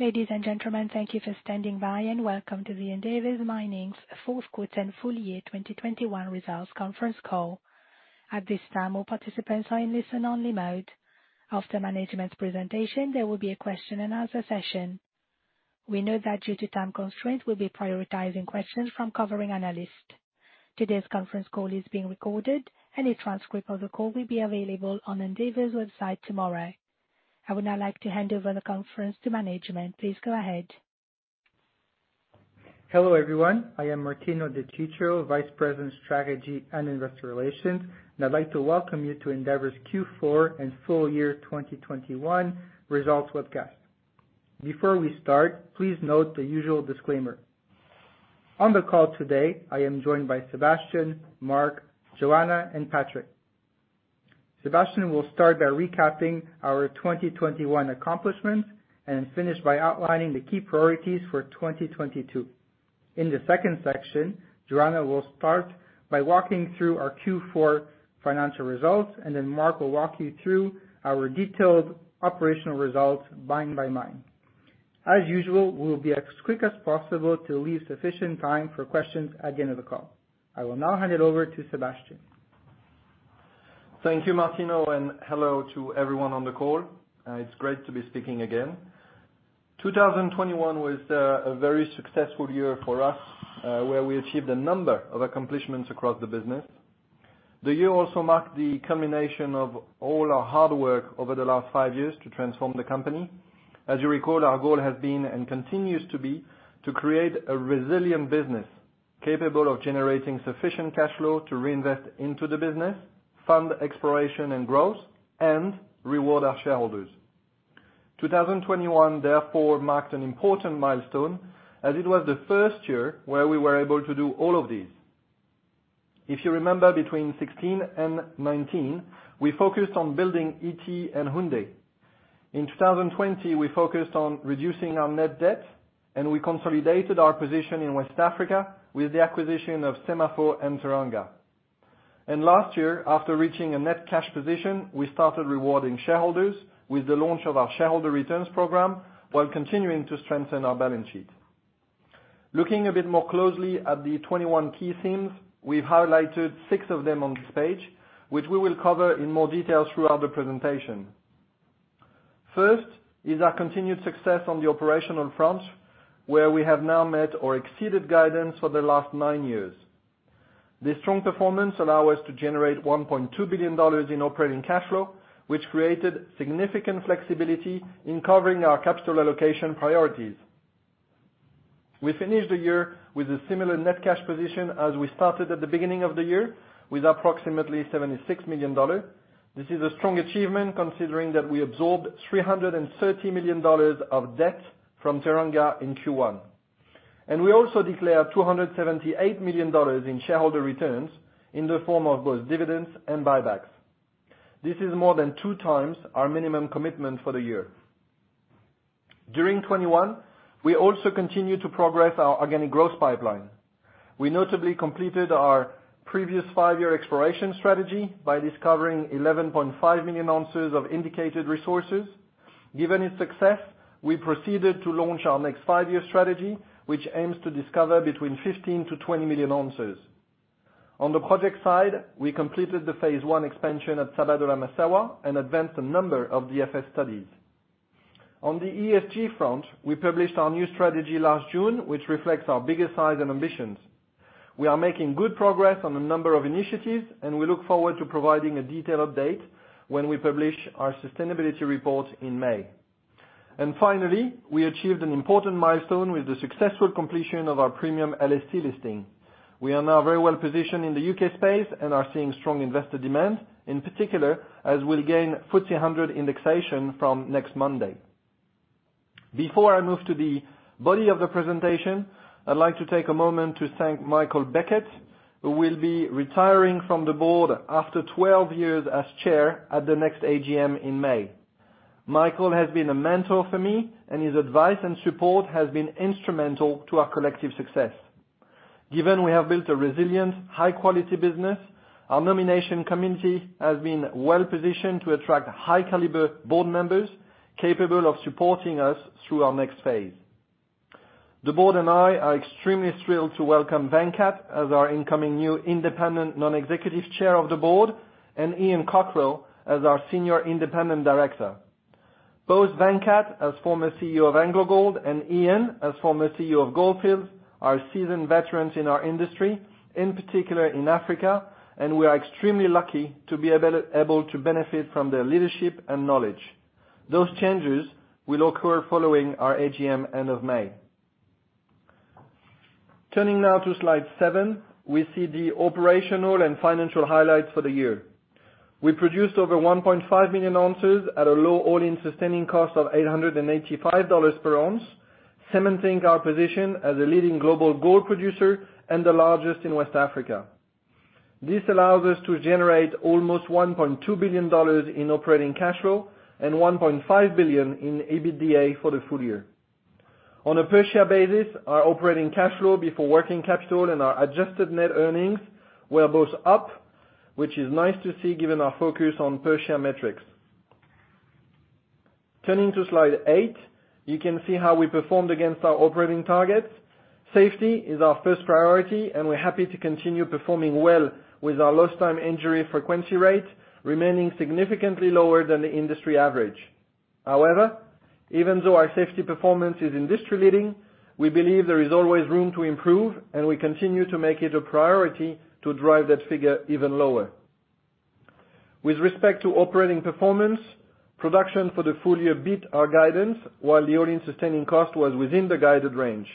Ladies and gentlemen, thank you for standing by and welcome to the Endeavour Mining's Fourth Quarter and Full Year 2021 Results Conference Call. At this time, all participants are in listen-only mode. After management's presentation, there will be a question and answer session. We know that due to time constraints, we'll be prioritizing questions from covering analysts. Today's conference call is being recorded and a transcript of the call will be available on Endeavour's website tomorrow. I would now like to hand over the conference to management. Please go ahead. Hello, everyone. I am Martino De Ciccio, Vice President, Strategy and Investor Relations, and I'd like to welcome you to Endeavour's Q4 and full year 2021 results webcast. Before we start, please note the usual disclaimer. On the call today, I am joined by Sébastien, Mark, Joanna, and Patrick. Sébastien will start by recapping our 2021 accomplishments and finish by outlining the key priorities for 2022. In the second section, Joanna will start by walking through our Q4 financial results, and then Mark will walk you through our detailed operational results mine by mine. As usual, we'll be as quick as possible to leave sufficient time for questions at the end of the call. I will now hand it over to Sébastien. Thank you, Martino, and hello to everyone on the call. It's great to be speaking again. 2021 was a very successful year for us, where we achieved a number of accomplishments across the business. The year also marked the culmination of all our hard work over the last five years to transform the company. As you recall, our goal has been and continues to be to create a resilient business capable of generating sufficient cash flow to reinvest into the business, fund exploration and growth and reward our shareholders. 2021 therefore marked an important milestone as it was the first year where we were able to do all of these. If you remember between 2016 and 2019, we focused on building Ity and Houndé. In 2020, we focused on reducing our net debt, and we consolidated our position in West Africa with the acquisition of SEMAFO and Teranga. Last year, after reaching a net cash position, we started rewarding shareholders with the launch of our shareholder returns program while continuing to strengthen our balance sheet. Looking a bit more closely at the 21 key themes, we've highlighted six of them on this page, which we will cover in more detail throughout the presentation. First is our continued success on the operational front, where we have now met or exceeded guidance for the last nine years. This strong performance allow us to generate $1.2 billion in operating cash flow, which created significant flexibility in covering our capital allocation priorities. We finished the year with a similar net cash position as we started at the beginning of the year with approximately $76 million. This is a strong achievement considering that we absorbed $330 million of debt from Teranga in Q1. We also declared $278 million in shareholder returns in the form of both dividends and buybacks. This is more than two times our minimum commitment for the year. During 2021, we also continued to progress our organic growth pipeline. We notably completed our previous five-year exploration strategy by discovering 11.5 million ounces of indicated resources. Given its success, we proceeded to launch our next five-year strategy, which aims to discover between 15-20 million ounces. On the project side, we completed the phase I expansion at Sabodala-Massawa and advanced a number of DFS studies. On the ESG front, we published our new strategy last June, which reflects our bigger size and ambitions. We are making good progress on a number of initiatives, and we look forward to providing a detailed update when we publish our sustainability report in May. Finally, we achieved an important milestone with the successful completion of our premium LSE listing. We are now very well positioned in the U.K. space and are seeing strong investor demand, in particular, as we'll gain FTSE 100 indexation from next Monday. Before I move to the body of the presentation, I'd like to take a moment to thank Michael Beckett, who will be retiring from the board after 12 years as chair at the next AGM in May. Michael has been a mentor for me, and his advice and support has been instrumental to our collective success. Given we have built a resilient, high quality business, our nomination committee has been well-positioned to attract high caliber board members capable of supporting us through our next phase. The board and I are extremely thrilled to welcome Venkat as our incoming new independent non-executive chair of the board and Ian Cockerill as our senior independent director. Both Venkat as former CEO of AngloGold and Ian as former CEO of Gold Fields are seasoned veterans in our industry, in particular in Africa, and we are extremely lucky to be able to benefit from their leadership and knowledge. Those changes will occur following our AGM end of May. Turning now to slide seven, we see the operational and financial highlights for the year. We produced over 1.5 million ounces at a low all-in sustaining cost of $885 per ounce, cementing our position as a leading global gold producer and the largest in West Africa. This allows us to generate almost $1.2 billion in operating cash flow and $1.5 billion in EBITDA for the full year. On a per share basis, our operating cash flow before working capital and our adjusted net earnings were both up, which is nice to see given our focus on per share metrics. Turning to slide eight, you can see how we performed against our operating targets. Safety is our first priority, and we're happy to continue performing well with our lost time injury frequency rate remaining significantly lower than the industry average. However, even though our safety performance is industry-leading, we believe there is always room to improve, and we continue to make it a priority to drive that figure even lower. With respect to operating performance, production for the full year beat our guidance, while the all-in sustaining cost was within the guided range,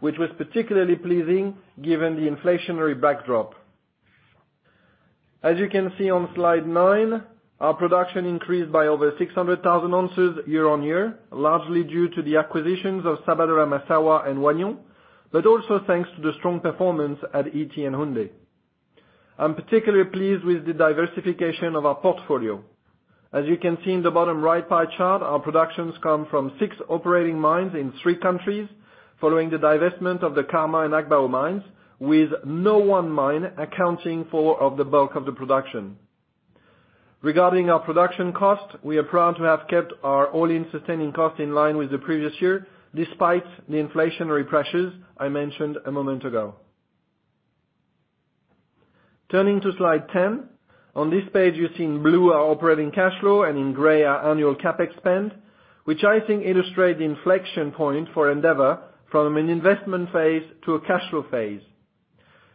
which was particularly pleasing given the inflationary backdrop. As you can see on slide nine, our production increased by over 600,000 ounces year-on-year, largely due to the acquisitions of Sabodala-Massawa and Wahgnion, but also thanks to the strong performance at Ity and Houndé. I'm particularly pleased with the diversification of our portfolio. As you can see in the bottom right pie chart, our production comes from six operating mines in three countries following the divestment of the Karma and Agbaou mines, with no one mine accounting for of the bulk of the production. Regarding our production cost, we are proud to have kept our all-in sustaining cost in line with the previous year, despite the inflationary pressures I mentioned a moment ago. Turning to slide 10. On this page, you see in blue our operating cash flow and in gray our annual CapEx spend, which I think illustrate the inflection point for Endeavour from an investment phase to a cash flow phase.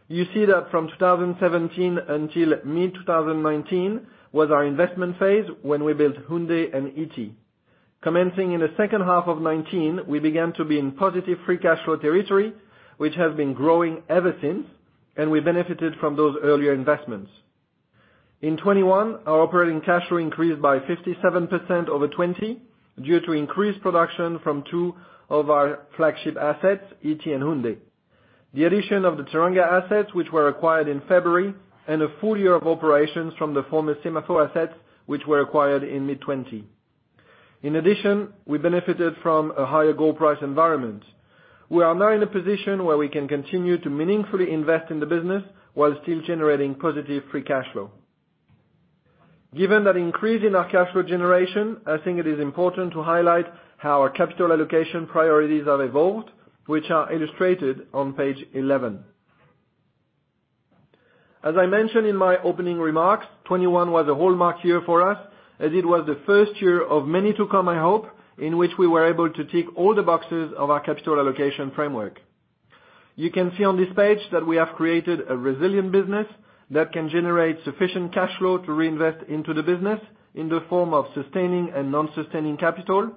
You see that from 2017 until mid-2019 was our investment phase when we built Houndé and Ity. Commencing in the second half of 2019, we began to be in positive free cash flow territory, which has been growing ever since, and we benefited from those earlier investments. In 2021, our operating cash flow increased by 57% over 2020 due to increased production from two of our flagship assets, Ity and Houndé, the addition of the Teranga assets, which were acquired in February, and a full year of operations from the former SEMAFO assets, which were acquired in mid-2020. In addition, we benefited from a higher gold price environment. We are now in a position where we can continue to meaningfully invest in the business while still generating positive free cash flow. Given that increase in our cash flow generation, I think it is important to highlight how our capital allocation priorities have evolved, which are illustrated on page 11. As I mentioned in my opening remarks, 2021 was a hallmark year for us, as it was the first year of many to come, I hope, in which we were able to tick all the boxes of our capital allocation framework. You can see on this page that we have created a resilient business that can generate sufficient cash flow to reinvest into the business in the form of sustaining and non-sustaining capital,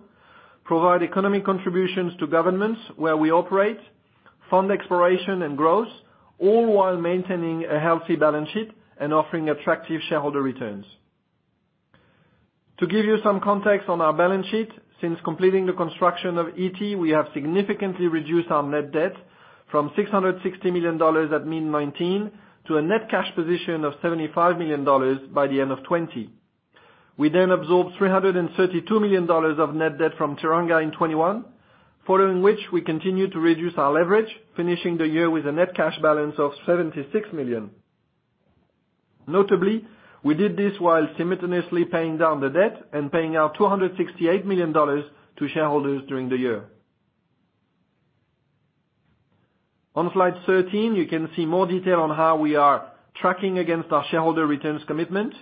provide economic contributions to governments where we operate, fund exploration and growth, all while maintaining a healthy balance sheet and offering attractive shareholder returns. To give you some context on our balance sheet, since completing the construction of Ity, we have significantly reduced our net debt from $660 million at mid-2019 to a net cash position of $75 million by the end of 2020. We absorbed $332 million of net debt from Teranga in 2021, following which we continued to reduce our leverage, finishing the year with a net cash balance of $76 million. Notably, we did this while simultaneously paying down the debt and paying out $268 million to shareholders during the year. On slide 13, you can see more detail on how we are tracking against our shareholder returns commitment.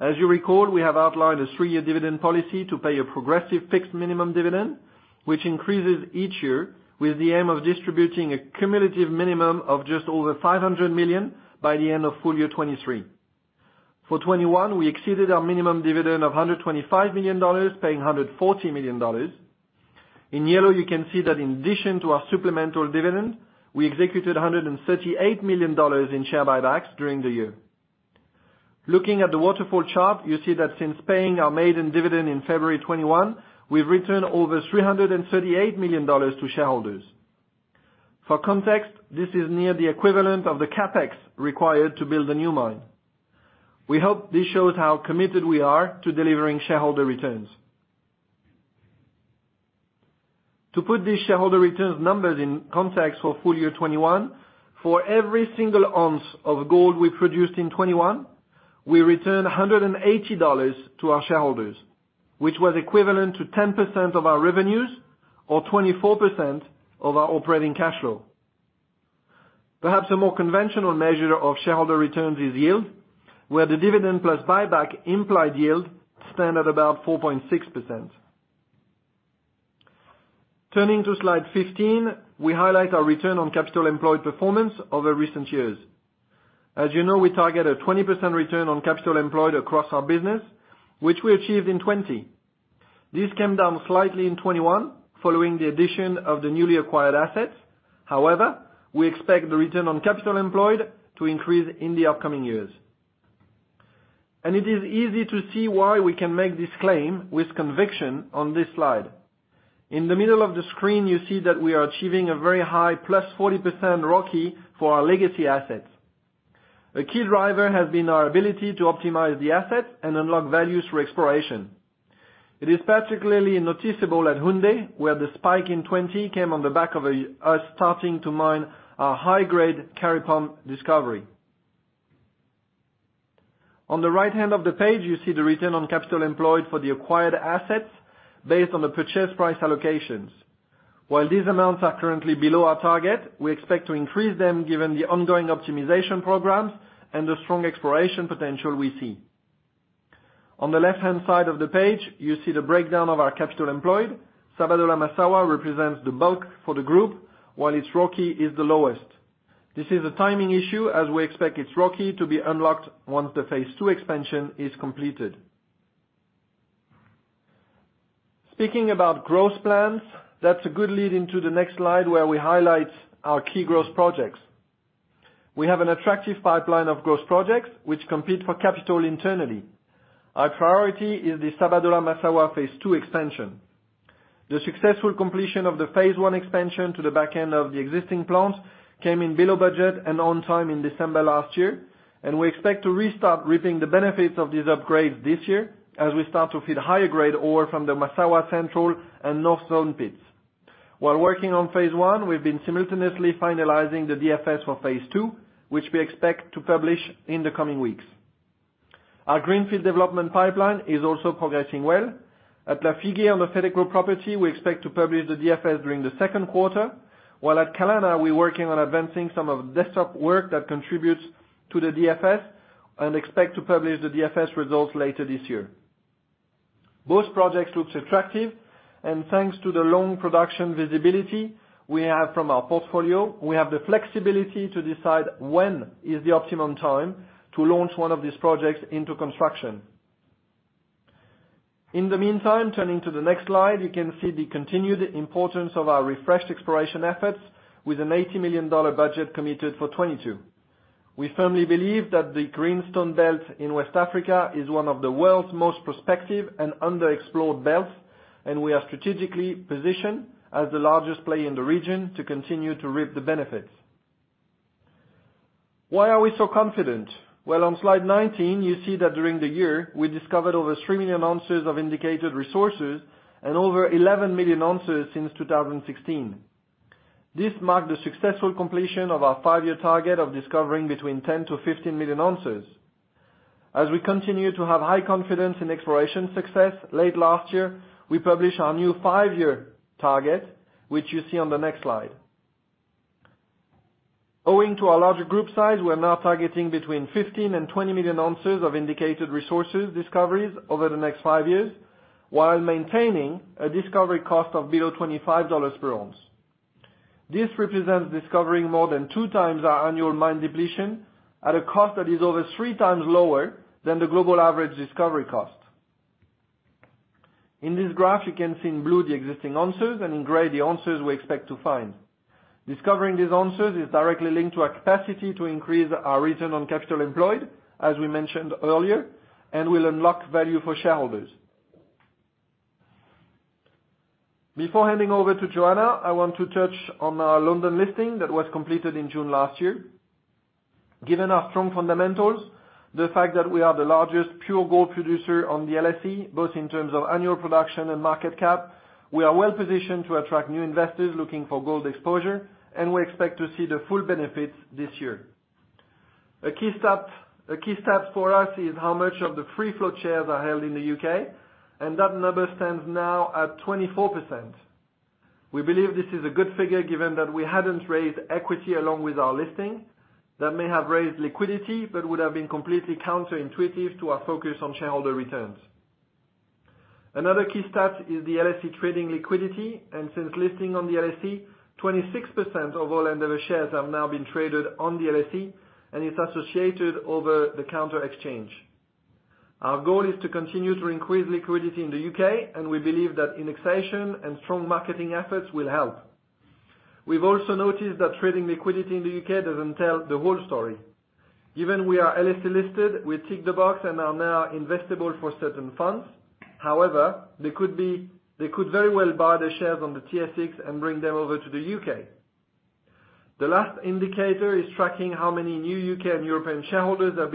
As you recall, we have outlined a three year dividend policy to pay a progressive fixed minimum dividend, which increases each year with the aim of distributing a cumulative minimum of just over $500 million by the end of full year 2023. For 2021, we exceeded our minimum dividend of $125 million, paying $140 million. In yellow, you can see that in addition to our supplemental dividend, we executed $138 million in share buybacks during the year. Looking at the waterfall chart, you see that since paying our maiden dividend in February 2021, we've returned over $338 million to shareholders. For context, this is near the equivalent of the CapEx required to build a new mine. We hope this shows how committed we are to delivering shareholder returns. To put these shareholder returns numbers in context for full year 2021, for every single ounce of gold we produced in 2021, we returned $180 to our shareholders, which was equivalent to 10% of our revenues or 24% of our operating cash flow. Perhaps a more conventional measure of shareholder returns is yield, where the dividend plus buyback implied yield stand at about 4.6%. Turning to slide 15, we highlight our return on capital employed performance over recent years. As you know, we target a 20% return on capital employed across our business, which we achieved in 2020. This came down slightly in 2021 following the addition of the newly acquired assets. However, we expect the return on capital employed to increase in the upcoming years. It is easy to see why we can make this claim with conviction on this slide. In the middle of the screen, you see that we are achieving a very high +40% ROCE for our legacy assets. A key driver has been our ability to optimize the assets and unlock values through exploration. It is particularly noticeable at Houndé, where the spike in 2020 came on the back of us starting to mine our high-grade Kari Pump discovery. On the right-hand side of the page, you see the return on capital employed for the acquired assets based on the purchase price allocations. While these amounts are currently below our target, we expect to increase them given the ongoing optimization programs and the strong exploration potential we see. On the left-hand side of the page, you see the breakdown of our capital employed. Sabodala-Massawa represents the bulk for the group, while its ROCE is the lowest. This is a timing issue as we expect its ROCE to be unlocked once the phase II expansion is completed. Speaking about growth plans, that's a good lead into the next slide where we highlight our key growth projects. We have an attractive pipeline of growth projects which compete for capital internally. Our priority is the Sabodala-Massawa phase II expansion. The successful completion of the phase I expansion to the back end of the existing plant came in below budget and on time in December last year, and we expect to restart reaping the benefits of these upgrades this year as we start to feed higher grade ore from the Massawa Central and Sofia North pits. While working on phase one, we've been simultaneously finalizing the DFS for phase II, which we expect to publish in the coming weeks. Our greenfield development pipeline is also progressing well. At Lafigué, on the Fetekro property, we expect to publish the DFS during the second quarter, while at Kalana, we're working on advancing some of the desktop work that contributes to the DFS and expect to publish the DFS results later this year. Both projects looks attractive, and thanks to the long production visibility we have from our portfolio, we have the flexibility to decide when is the optimum time to launch one of these projects into construction. In the meantime, turning to the next slide, you can see the continued importance of our refreshed exploration efforts with a $80 million budget committed for 2022. We firmly believe that the Greenstone Belt in West Africa is one of the world's most prospective and underexplored belts, and we are strategically positioned as the largest player in the region to continue to reap the benefits. Why are we so confident? Well, on slide 19, you see that during the year, we discovered over 3 million ounces of indicated resources and over 11 million ounces since 2016. This marked the successful completion of our five-year target of discovering between 10-15 million ounces. As we continue to have high confidence in exploration success, late last year, we published our new five-year target, which you see on the next slide. Owing to our larger group size, we are now targeting between 15-20 million ounces of indicated resources discoveries over the next five years, while maintaining a discovery cost of below $25 per ounce. This represents discovering more than two times our annual mine depletion at a cost that is over three times lower than the global average discovery cost. In this graph, you can see in blue the existing answers and in gray the answers we expect to find. Discovering these answers is directly linked to our capacity to increase our return on capital employed, as we mentioned earlier, and will unlock value for shareholders. Before handing over to Joanna, I want to touch on our London listing that was completed in June last year. Given our strong fundamentals, the fact that we are the largest pure gold producer on the LSE, both in terms of annual production and market cap, we are well-positioned to attract new investors looking for gold exposure, and we expect to see the full benefits this year. A key stat for us is how much of the free float shares are held in the U.K., and that number stands now at 24%. We believe this is a good figure given that we hadn't raised equity along with our listing. That may have raised liquidity but would have been completely counterintuitive to our focus on shareholder returns. Another key stat is the LSE trading liquidity, and since listing on the LSE, 26% of all Endeavour shares have now been traded on the LSE, and its associated over the counter exchange. Our goal is to continue to increase liquidity in the U.K., and we believe that indexation and strong marketing efforts will help. We've also noticed that trading liquidity in the U.K. doesn't tell the whole story. Given we are LSE listed, we tick the box and are now investable for certain funds. However, they could very well buy the shares on the TSX and bring them over to the U.K. The last indicator is tracking how many new U.K. And European shareholders have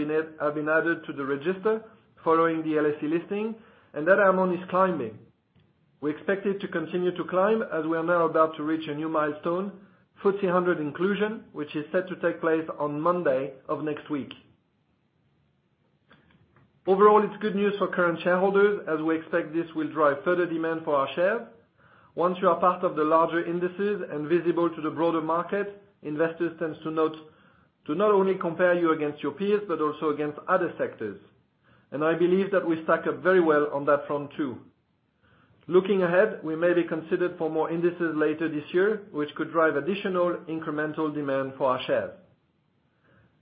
been added to the register following the LSE listing, and that amount is climbing. We expect it to continue to climb as we are now about to reach a new milestone, FTSE 100 inclusion, which is set to take place on Monday of next week. Overall, it's good news for current shareholders as we expect this will drive further demand for our shares. Once you are part of the larger indices and visible to the broader market, investors tend to not only compare you against your peers, but also against other sectors. I believe that we stack up very well on that front too. Looking ahead, we may be considered for more indices later this year, which could drive additional incremental demand for our shares.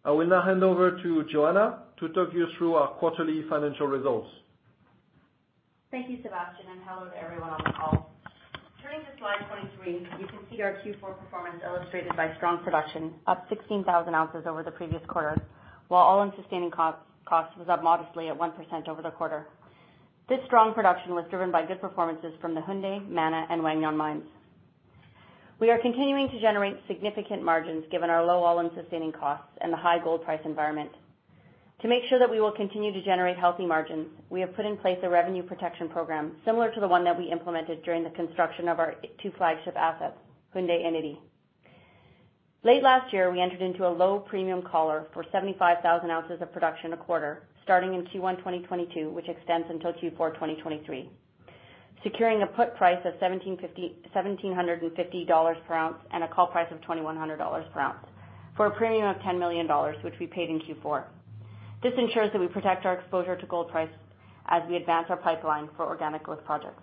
I will now hand over to Joanna to talk you through our quarterly financial results. Thank you, Sébastien, and hello to everyone on the call. Turning to slide 23, you can see our Q4 performance illustrated by strong production up 16,000 ounces over the previous quarter, while all-in sustaining cost was up modestly at 1% over the quarter. This strong production was driven by good performances from the Houndé, Mana, and Wahgnion mines. We are continuing to generate significant margins given our low all-in sustaining costs and the high gold price environment. To make sure that we will continue to generate healthy margins, we have put in place a revenue protection program similar to the one that we implemented during the construction of our two flagship assets, Houndé and Ity. Late last year, we entered into a low premium collar for 75,000 ounces of production a quarter starting in Q1 2022, which extends until Q4 2023, securing a put price of $1,750 per ounce and a call price of $2,100 per ounce for a premium of $10 million, which we paid in Q4. This ensures that we protect our exposure to gold price as we advance our pipeline for organic growth projects.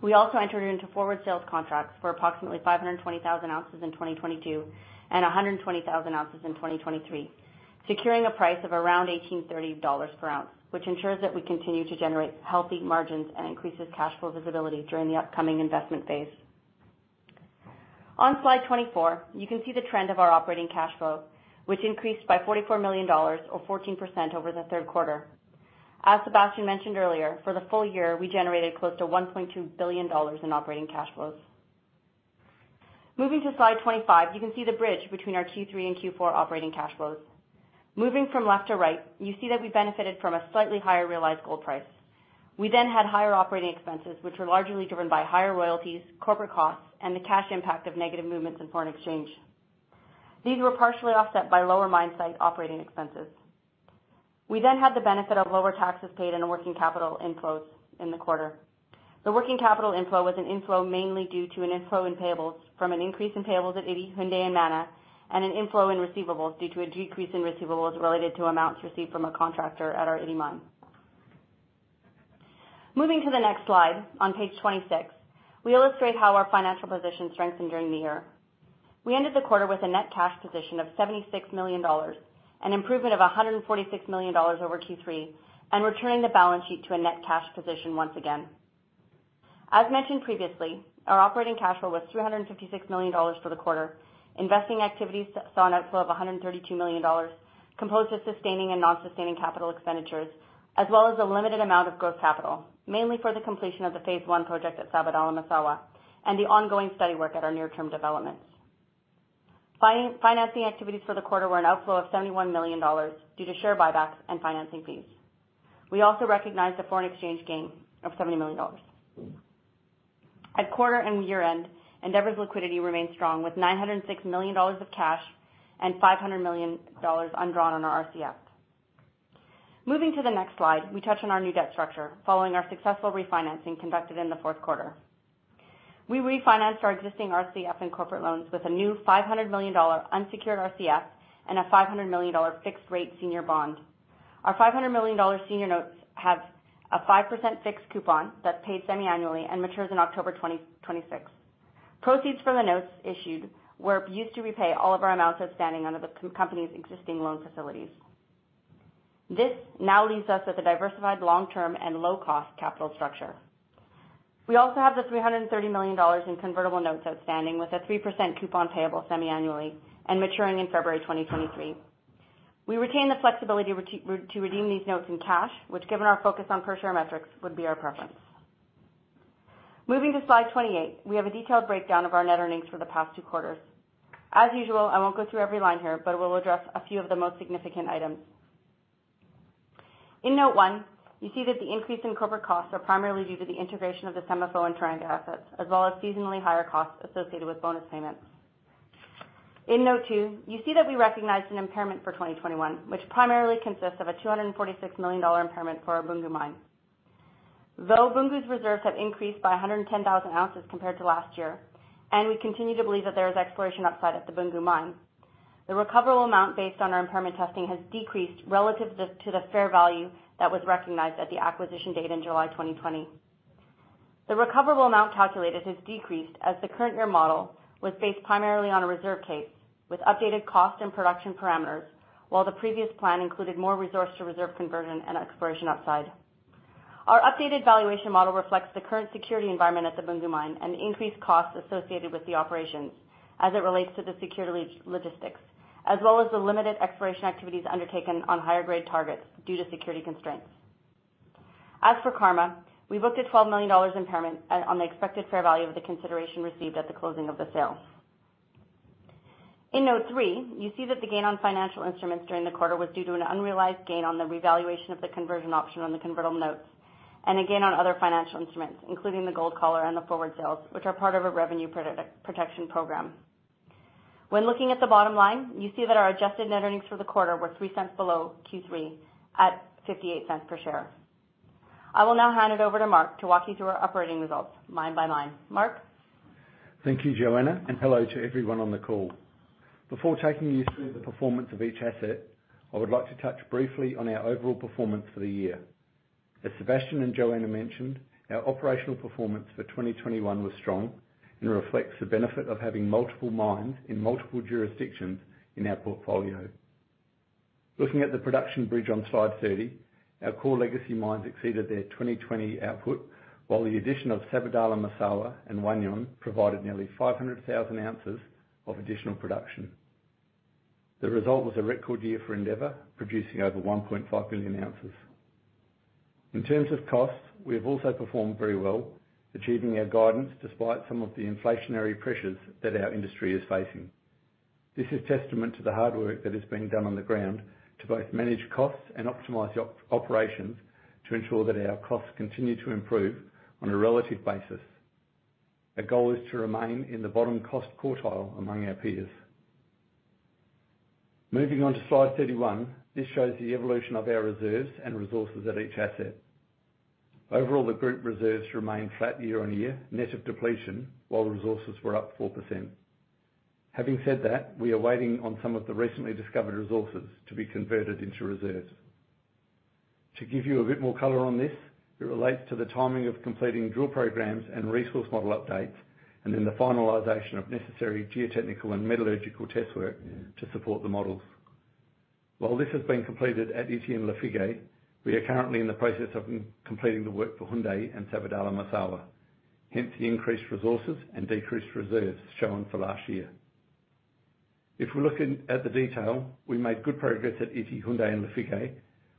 We also entered into forward sales contracts for approximately 520,000 ounces in 2022 and 120,000 ounces in 2023, securing a price of around $1,830 per ounce, which ensures that we continue to generate healthy margins and increases cash flow visibility during the upcoming investment phase. On slide 24, you can see the trend of our operating cash flow, which increased by $44 million or 14% over the third quarter. As Sébastien mentioned earlier, for the full year, we generated close to $1.2 billion in operating cash flows. Moving to slide 25, you can see the bridge between our Q3 and Q4 operating cash flows. Moving from left to right, you see that we benefited from a slightly higher realized gold price. We then had higher operating expenses, which were largely driven by higher royalties, corporate costs, and the cash impact of negative movements in foreign exchange. These were partially offset by lower mine site operating expenses. We then had the benefit of lower taxes paid and working capital inflows in the quarter. The working capital inflow was an inflow mainly due to an inflow in payables from an increase in payables at Ity, Houndé and Mana, and an inflow in receivables due to a decrease in receivables related to amounts received from a contractor at our Ity mine. Moving to the next slide, on page 26, we illustrate how our financial position strengthened during the year. We ended the quarter with a net cash position of $76 million, an improvement of $146 million over Q3, and returning the balance sheet to a net cash position once again. As mentioned previously, our operating cash flow was $356 million for the quarter. Investing activities saw an outflow of $132 million, composed of sustaining and non-sustaining capital expenditures, as well as a limited amount of growth capital, mainly for the completion of the phase one project at Sabodala-Massawa, and the ongoing study work at our near-term developments. Financing activities for the quarter were an outflow of $71 million due to share buybacks and financing fees. We also recognized a foreign exchange gain of $70 million. At quarter- and year-end, Endeavour's liquidity remains strong with $906 million of cash and $500 million undrawn on our RCF. Moving to the next slide, we touch on our new debt structure following our successful refinancing conducted in the fourth quarter. We refinanced our existing RCF and corporate loans with a new $500 million unsecured RCF and a $500 million fixed rate senior bond. Our $500 million senior notes have a 5% fixed coupon that's paid semi-annually and matures in October 2026. Proceeds from the notes issued were used to repay all of our amounts outstanding under the company's existing loan facilities. This now leaves us with a diversified long-term and low cost capital structure. We also have the $330 million in convertible notes outstanding with a 3% coupon payable semi-annually and maturing in February 2023. We retain the flexibility to redeem these notes in cash, which given our focus on per share metrics would be our preference. Moving to slide 28, we have a detailed breakdown of our net earnings for the past two quarters. As usual, I won't go through every line here, but we'll address a few of the most significant items. In note one, you see that the increase in corporate costs are primarily due to the integration of the SEMAFO and Teranga assets, as well as seasonally higher costs associated with bonus payments. In note two, you see that we recognized an impairment for 2021, which primarily consists of a $246 million impairment for our Boungou mine. Though Boungou's reserves have increased by 110,000 ounces compared to last year, and we continue to believe that there is exploration upside at the Boungou mine, the recoverable amount based on our impairment testing has decreased relative to the fair value that was recognized at the acquisition date in July 2020. The recoverable amount calculated has decreased as the current year model was based primarily on a reserve case with updated cost and production parameters, while the previous plan included more resource to reserve conversion and exploration upside. Our updated valuation model reflects the current security environment at the Boungou mine and the increased costs associated with the operations as it relates to the security logistics, as well as the limited exploration activities undertaken on higher grade targets due to security constraints. As for Karma, we booked a $12 million impairment on the expected fair value of the consideration received at the closing of the sale. In note three, you see that the gain on financial instruments during the quarter was due to an unrealized gain on the revaluation of the conversion option on the convertible notes, and again on other financial instruments, including the gold collar and the forward sales, which are part of a revenue protection program. When looking at the bottom line, you see that our adjusted net earnings for the quarter were $0.03 below Q3 at $0.58 per share. I will now hand it over to Mark to walk you through our operating results line by line. Mark? Thank you, Joanna, and hello to everyone on the call. Before taking you through the performance of each asset, I would like to touch briefly on our overall performance for the year. Sébastien and Joanna mentioned, our operational performance for 2021 was strong and reflects the benefit of having multiple mines in multiple jurisdictions in our portfolio. Looking at the production bridge on slide 30, our core legacy mines exceeded their 2020 output, while the addition of Sabodala-Massawa and Wahgnion provided nearly 500,000 ounces of additional production. The result was a record year for Endeavour, producing over 1.5 million ounces. In terms of costs, we have also performed very well, achieving our guidance despite some of the inflationary pressures that our industry is facing. This is testament to the hard work that is being done on the ground to both manage costs and optimize operations to ensure that our costs continue to improve on a relative basis. Our goal is to remain in the bottom cost quartile among our peers. Moving on to slide 31, this shows the evolution of our reserves and resources at each asset. Overall, the group reserves remain flat year-on-year, net of depletion, while resources were up 4%. Having said that, we are waiting on some of the recently discovered resources to be converted into reserves. To give you a bit more color on this, it relates to the timing of completing drill programs and resource model updates, and then the finalization of necessary geotechnical and metallurgical test work to support the models. While this has been completed at Ity and Lafigué, we are currently in the process of completing the work for Houndé and Sabodala-Massawa, hence the increased resources and decreased reserves shown for last year. If we look at the detail, we made good progress at Ity, Houndé and Lafigué,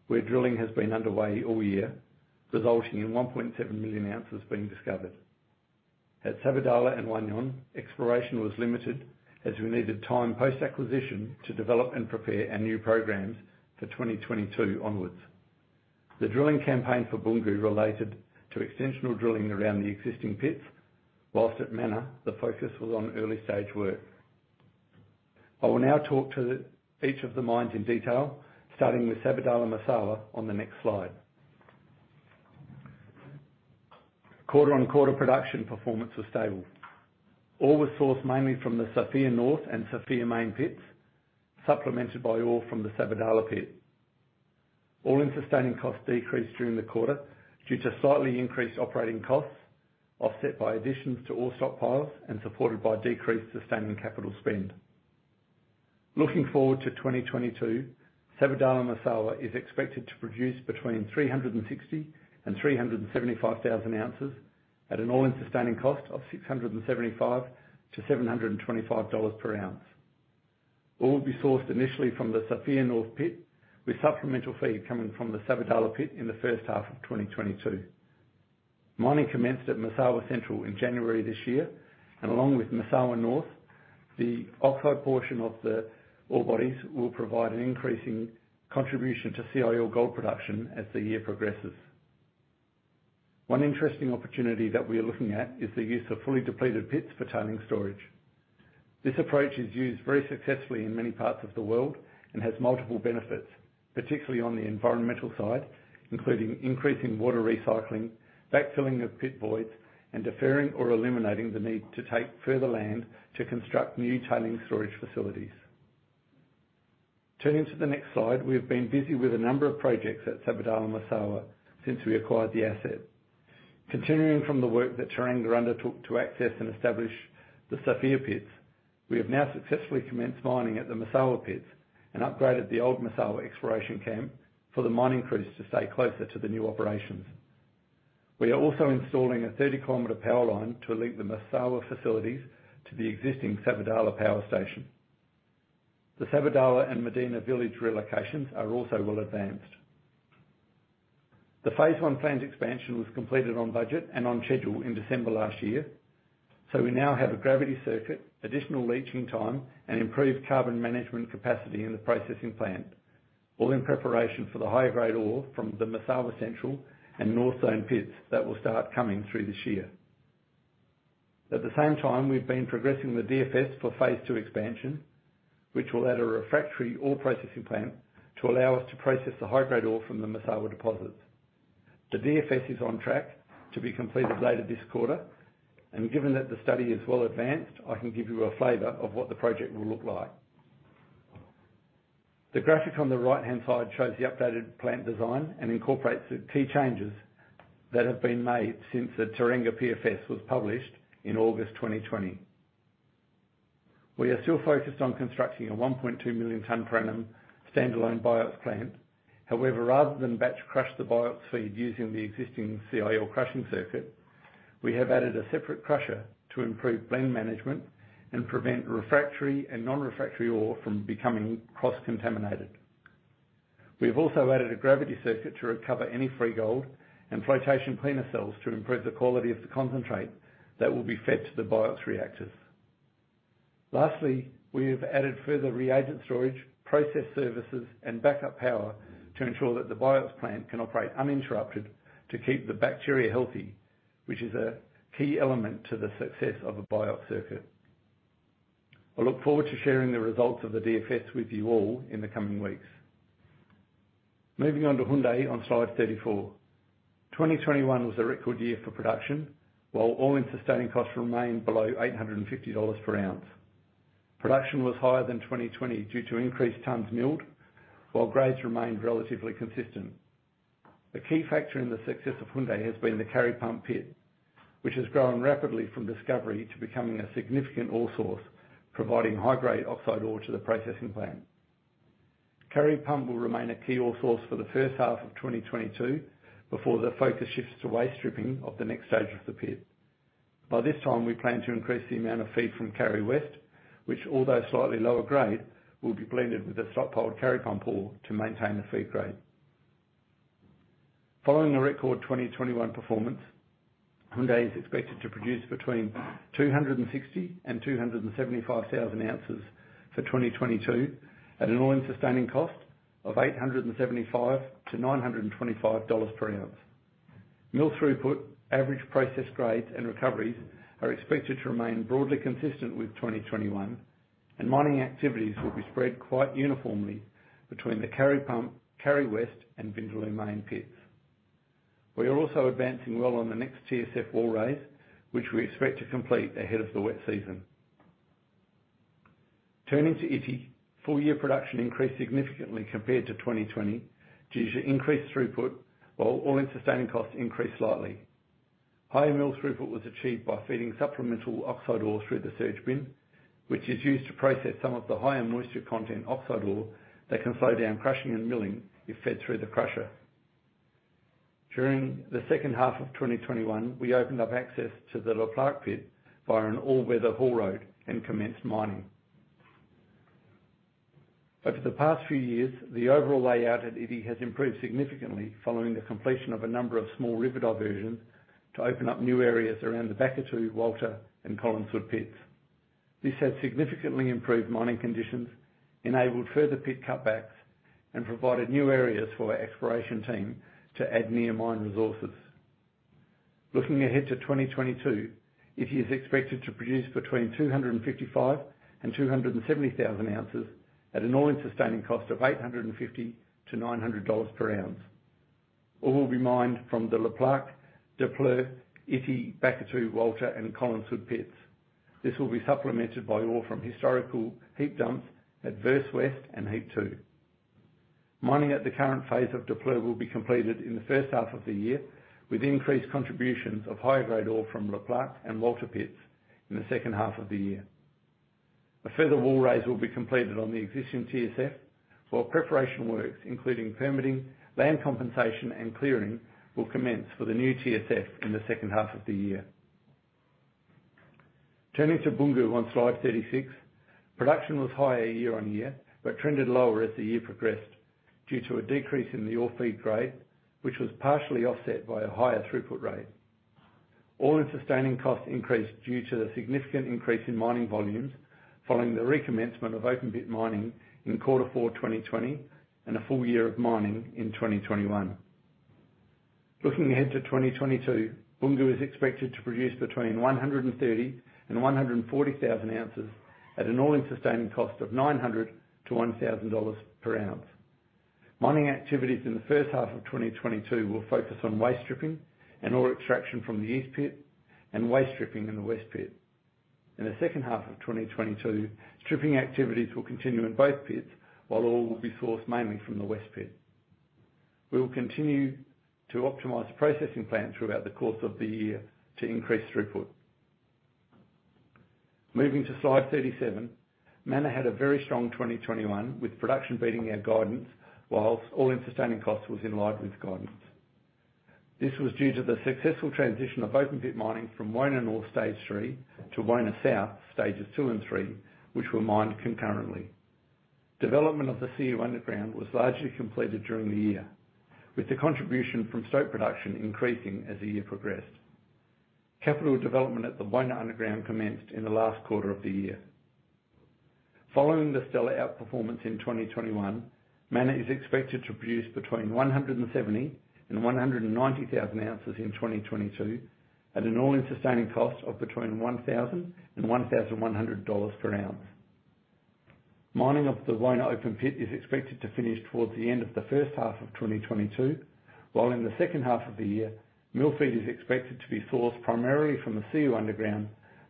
where drilling has been underway all year, resulting in 1.7 million ounces being discovered. At Sabodala and Wahgnion, exploration was limited as we needed time post-acquisition to develop and prepare our new programs for 2022 onwards. The drilling campaign for Boungou related to extensional drilling around the existing pits, while at Mana, the focus was on early-stage work. I will now talk to each of the mines in detail, starting with Sabodala-Massawa on the next slide. Quarter-over-quarter production performance was stable. Ore was sourced mainly from the Sofia North and Sofia Main pits, supplemented by ore from the Sabodala pit. All-in sustaining costs decreased during the quarter due to slightly increased operating costs, offset by additions to ore stockpiles and supported by decreased sustaining capital spend. Looking forward to 2022, Sabodala-Massawa is expected to produce between 360,000 and 375,000 ounces at an all-in sustaining cost of $675-$725 per ounce. Ore will be sourced initially from the Sofia North pit, with supplemental feed coming from the Sabodala pit in the first half of 2022. Mining commenced at Massawa Central in January this year, and along with Massawa North, the oxide portion of the ore bodies will provide an increasing contribution to CIL gold production as the year progresses. One interesting opportunity that we are looking at is the use of fully depleted pits for tailings storage. This approach is used very successfully in many parts of the world and has multiple benefits, particularly on the environmental side, including increasing water recycling, backfilling of pit voids, and deferring or eliminating the need to take further land to construct new tailings storage facilities. Turning to the next slide, we have been busy with a number of projects at Sabodala-Massawa since we acquired the asset. Continuing from the work that Teranga undertook to access and establish the Sofia pits, we have now successfully commenced mining at the Massawa pits and upgraded the old Massawa exploration camp for the mining crews to stay closer to the new operations. We are also installing a 30-kilometer power line to link the Massawa facilities to the existing Sabodala power station. The Sabodala and Medina village relocations are also well advanced. The phase I plant expansion was completed on budget and on schedule in December last year, so we now have a gravity circuit, additional leaching time, and improved carbon management capacity in the processing plant, all in preparation for the high-grade ore from the Massawa Central and North Zone pits that will start coming through this year. At the same time, we've been progressing the DFS for phase II expansion, which will add a refractory ore processing plant to allow us to process the high-grade ore from the Massawa deposits. The DFS is on track to be completed later this quarter, and given that the study is well advanced, I can give you a flavor of what the project will look like. The graphic on the right-hand side shows the updated plant design and incorporates the key changes that have been made since the Teranga PFS was published in August 2020. We are still focused on constructing a 1.2 million ton per annum standalone BIOX plant. However, rather than batch crush the BIOX feed using the existing CIL crushing circuit, we have added a separate crusher to improve blend management and prevent refractory and non-refractory ore from becoming cross-contaminated. We have also added a gravity circuit to recover any free gold and flotation cleaner cells to improve the quality of the concentrate that will be fed to the BIOX reactors. Lastly, we have added further reagent storage, process services, and backup power to ensure that the BIOX plant can operate uninterrupted to keep the bacteria healthy, which is a key element to the success of a BIOX circuit. I look forward to sharing the results of the DFS with you all in the coming weeks. Moving on to Houndé on slide 34. 2021 was a record year for production, while all-in sustaining costs remained below $850 per ounce. Production was higher than 2020 due to increased tons milled, while grades remained relatively consistent. The key factor in the success of Houndé has been the Kari Pump pit, which has grown rapidly from discovery to becoming a significant ore source, providing high-grade oxide ore to the processing plant. Kari Pump will remain a key ore source for the first half of 2022 before the focus shifts to waste stripping of the next stage of the pit. By this time, we plan to increase the amount of feed from Kari West, which although slightly lower grade, will be blended with the stockpile Kari Pump ore to maintain the feed grade. Following a record 2021 performance, Houndé is expected to produce between 260,000 and 275,000 ounces for 2022 at an all-in sustaining cost of $875-$925 per ounce. Mill throughput, average process grades, and recoveries are expected to remain broadly consistent with 2021, and mining activities will be spread quite uniformly between the Kari Pump, Kari West, and Vindaloo main pits. We are also advancing well on the next TSF wall raise, which we expect to complete ahead of the wet season. Turning to Ity. Full-year production increased significantly compared to 2020 due to increased throughput, while all-in sustaining costs increased slightly. Higher mill throughput was achieved by feeding supplemental oxide ore through the surge bin, which is used to process some of the higher moisture content oxide ore that can slow down crushing and milling if fed through the crusher. During the second half of 2021, we opened up access to the Le Plaque pit via an all-weather haul road and commenced mining. Over the past few years, the overall layout at Ity has improved significantly following the completion of a number of small river diversions to open up new areas around the Bakatouo, Walter, and Collinsford pits. This has significantly improved mining conditions, enabled further pit cutbacks, and provided new areas for our exploration team to add near mine resources. Looking ahead to 2022, Ity is expected to produce between 255,000 and 270,000 ounces at an all-in sustaining cost of $850-$900 per ounce. Ore will be mined from the Le Plaque, Daapleu, Ity, Bakatouo, Walter, and Colline Sud pits. This will be supplemented by ore from historical heap dumps at Verse Ouest and Heap Two. Mining at the current phase of Daapleu will be completed in the first half of the year, with increased contributions of higher-grade ore from Le Plaque and Walter pits in the second half of the year. A further wall raise will be completed on the existing TSF, while preparation works, including permitting, land compensation, and clearing, will commence for the new TSF in the second half of the year. Turning to Boungou on slide 36. Production was higher year-on-year, but trended lower as the year progressed due to a decrease in the ore feed grade, which was partially offset by a higher throughput rate. All-in sustaining costs increased due to the significant increase in mining volumes following the recommencement of open pit mining in quarter four 2020, and a full year of mining in 2021. Looking ahead to 2022, Boungou is expected to produce between 130,000 and 140,000 ounces at an all-in sustaining cost of $900-$1,000 per ounce. Mining activities in the first half of 2022 will focus on waste stripping and ore extraction from the east pit and waste stripping in the west pit. In the second half of 2022, stripping activities will continue in both pits, while ore will be sourced mainly from the west pit. We will continue to optimize the processing plant throughout the course of the year to increase throughput. Moving to slide 37. Mana had a very strong 2021, with production beating our guidance, while all-in sustaining cost was in line with guidance. This was due to the successful transition of open pit mining from Mana North stage 3 to Mana South stages 2 and 3, which were mined concurrently. Development of the Siou underground was largely completed during the year, with the contribution from stope production increasing as the year progressed. Capital development at the Wona underground commenced in the last quarter of the year. Following the stellar outperformance in 2021, Mana is expected to produce between 170,000 and 190,000 ounces in 2022 at an all-in sustaining cost of between $1,000 and $1,100 per ounce. Mining of the Wona open pit is expected to finish towards the end of the first half of 2022, while in the second half of the year, mill feed is expected to be sourced primarily from the Siou underground,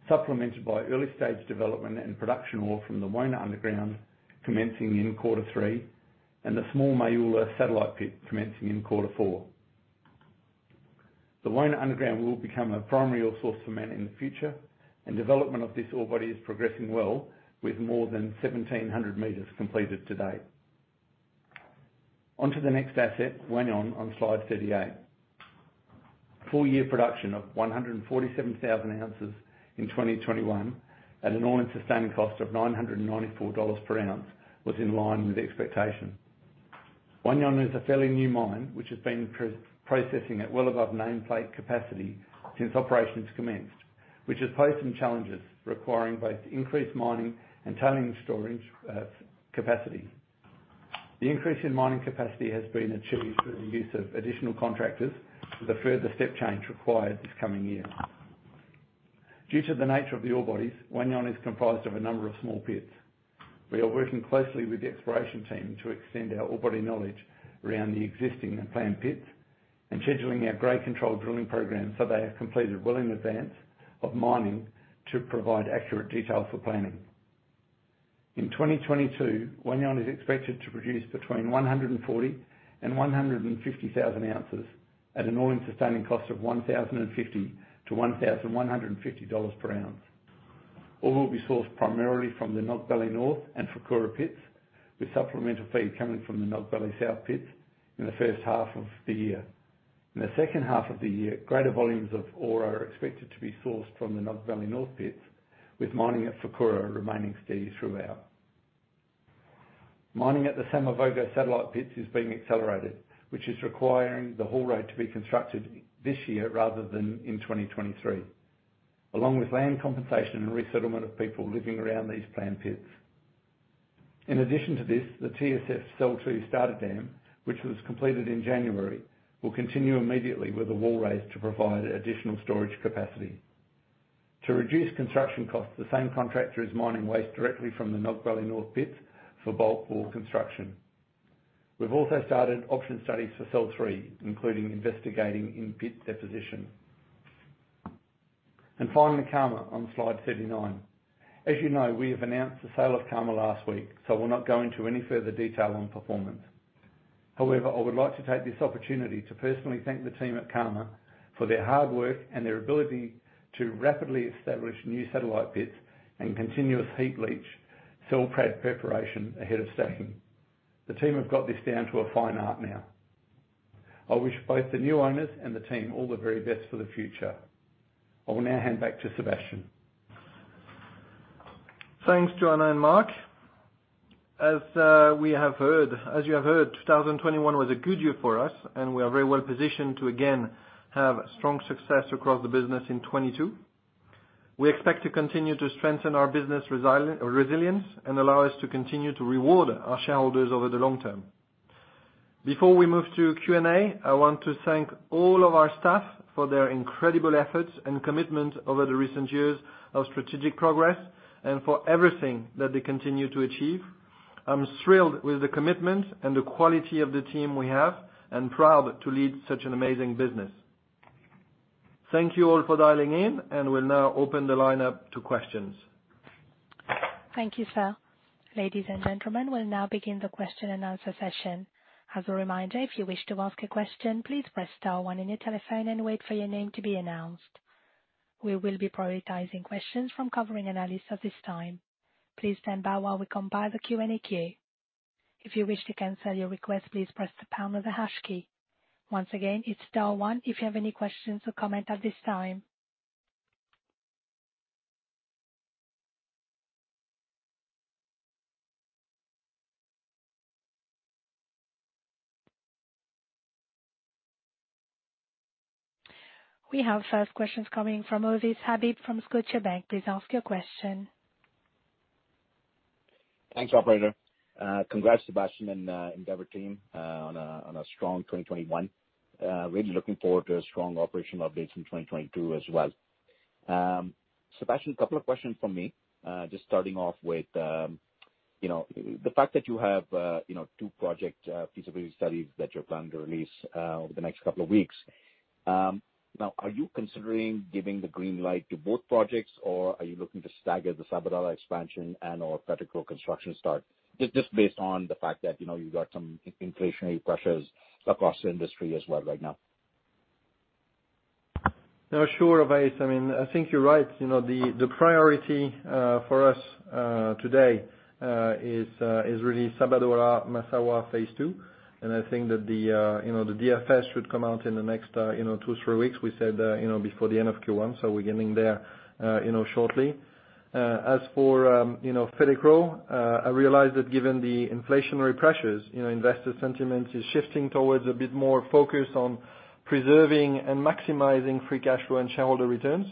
supplemented by early stage development and production ore from the Wona underground commencing in quarter three, and the small Maoula satellite pit commencing in quarter four. The Wona underground will become a primary ore source for Mana in the future, and development of this ore body is progressing well with more than 1,700 meters completed to date. On to the next asset, Wahgnion on slide 38. Full-year production of 147,000 ounces in 2021 at an all-in sustaining cost of $994 per ounce was in line with expectation. Wahgnion is a fairly new mine which has been producing at well above nameplate capacity since operations commenced, which has posed some challenges requiring both increased mining and tailings storage capacity. The increase in mining capacity has been achieved through the use of additional contractors with a further step change required this coming year. Due to the nature of the ore bodies, Wahgnion is comprised of a number of small pits. We are working closely with the exploration team to extend our ore body knowledge around the existing and planned pits and scheduling our grade control drilling program so they are completed well in advance of mining to provide accurate details for planning. In 2022, Wahgnion is expected to produce between 140,000 and 150,000 ounces at an all-in sustaining cost of $1,050-$1,150 per ounce. Ore will be sourced primarily from the Nogbele North and Fourkoura pits, with supplemental feed coming from the Nogbele South pits in the first half of the year. In the second half of the year, greater volumes of ore are expected to be sourced from the Nogbele North pits, with mining at Fourkoura remaining steady throughout. Mining at the Samavogo satellite pits is being accelerated, which is requiring the haul road to be constructed this year rather than in 2023, along with land compensation and resettlement of people living around these planned pits. In addition to this, the TSF Cell 2 starter dam, which was completed in January, will continue immediately with the wall raised to provide additional storage capacity. To reduce construction costs, the same contractor is mining waste directly from the Nogbele North pits for bulk wall construction. We've also started option studies for Cell 3, including investigating in-pit deposition. Finally, Karma on slide 39. As you know, we have announced the sale of Karma last week, so I will not go into any further detail on performance. However, I would like to take this opportunity to personally thank the team at Karma for their hard work and their ability to rapidly establish new satellite pits and continuous heap leach cell prep, preparation ahead of stacking. The team have got this down to a fine art now. I wish both the new owners and the team all the very best for the future. I will now hand back to Sébastien. Thanks, Joanna and Mark. As you have heard, 2021 was a good year for us, and we are very well positioned to again have strong success across the business in 2022. We expect to continue to strengthen our business resilience and allow us to continue to reward our shareholders over the long term. Before we move to Q&A, I want to thank all of our staff for their incredible efforts and commitment over the recent years of strategic progress and for everything that they continue to achieve. I'm thrilled with the commitment and the quality of the team we have and proud to lead such an amazing business. Thank you all for dialing in, and we'll now open the line up to questions. Thank you, sir. Ladies and gentlemen, we'll now begin the question and answer session. As a reminder, if you wish to ask a question, please press star one on your telephone and wait for your name to be announced. We will be prioritizing questions from covering analysts at this time. Please stand by while we compile the Q&A queue. If you wish to cancel your request, please press the pound or the hash key. Once again, it's star one if you have any questions or comment at this time. We have first questions coming from Ovais Habib from Scotiabank. Please ask your question. Thanks, operator. Congrats, Sébastien and Endeavour team, on a strong 2021. Really looking forward to strong operational updates in 2022 as well. Sébastien, a couple of questions from me, just starting off with you know the fact that you have two project feasibility studies that you're planning to release over the next couple of weeks. Now, are you considering giving the green light to both projects, or are you looking to stagger the Sabodala expansion and/or Fetekro construction start, just based on the fact that you know you've got some inflationary pressures across the industry as well right now? No, sure, Ovais. I mean, I think you're right. You know, the priority for us today is really Sabodala-Massawa phase II. I think that the DFS should come out in the next two, three weeks. We said before the end of Q1, so we're getting there shortly. As for Fetekro, I realize that given the inflationary pressures, you know, investor sentiment is shifting towards a bit more focus on preserving and maximizing free cash flow and shareholder returns.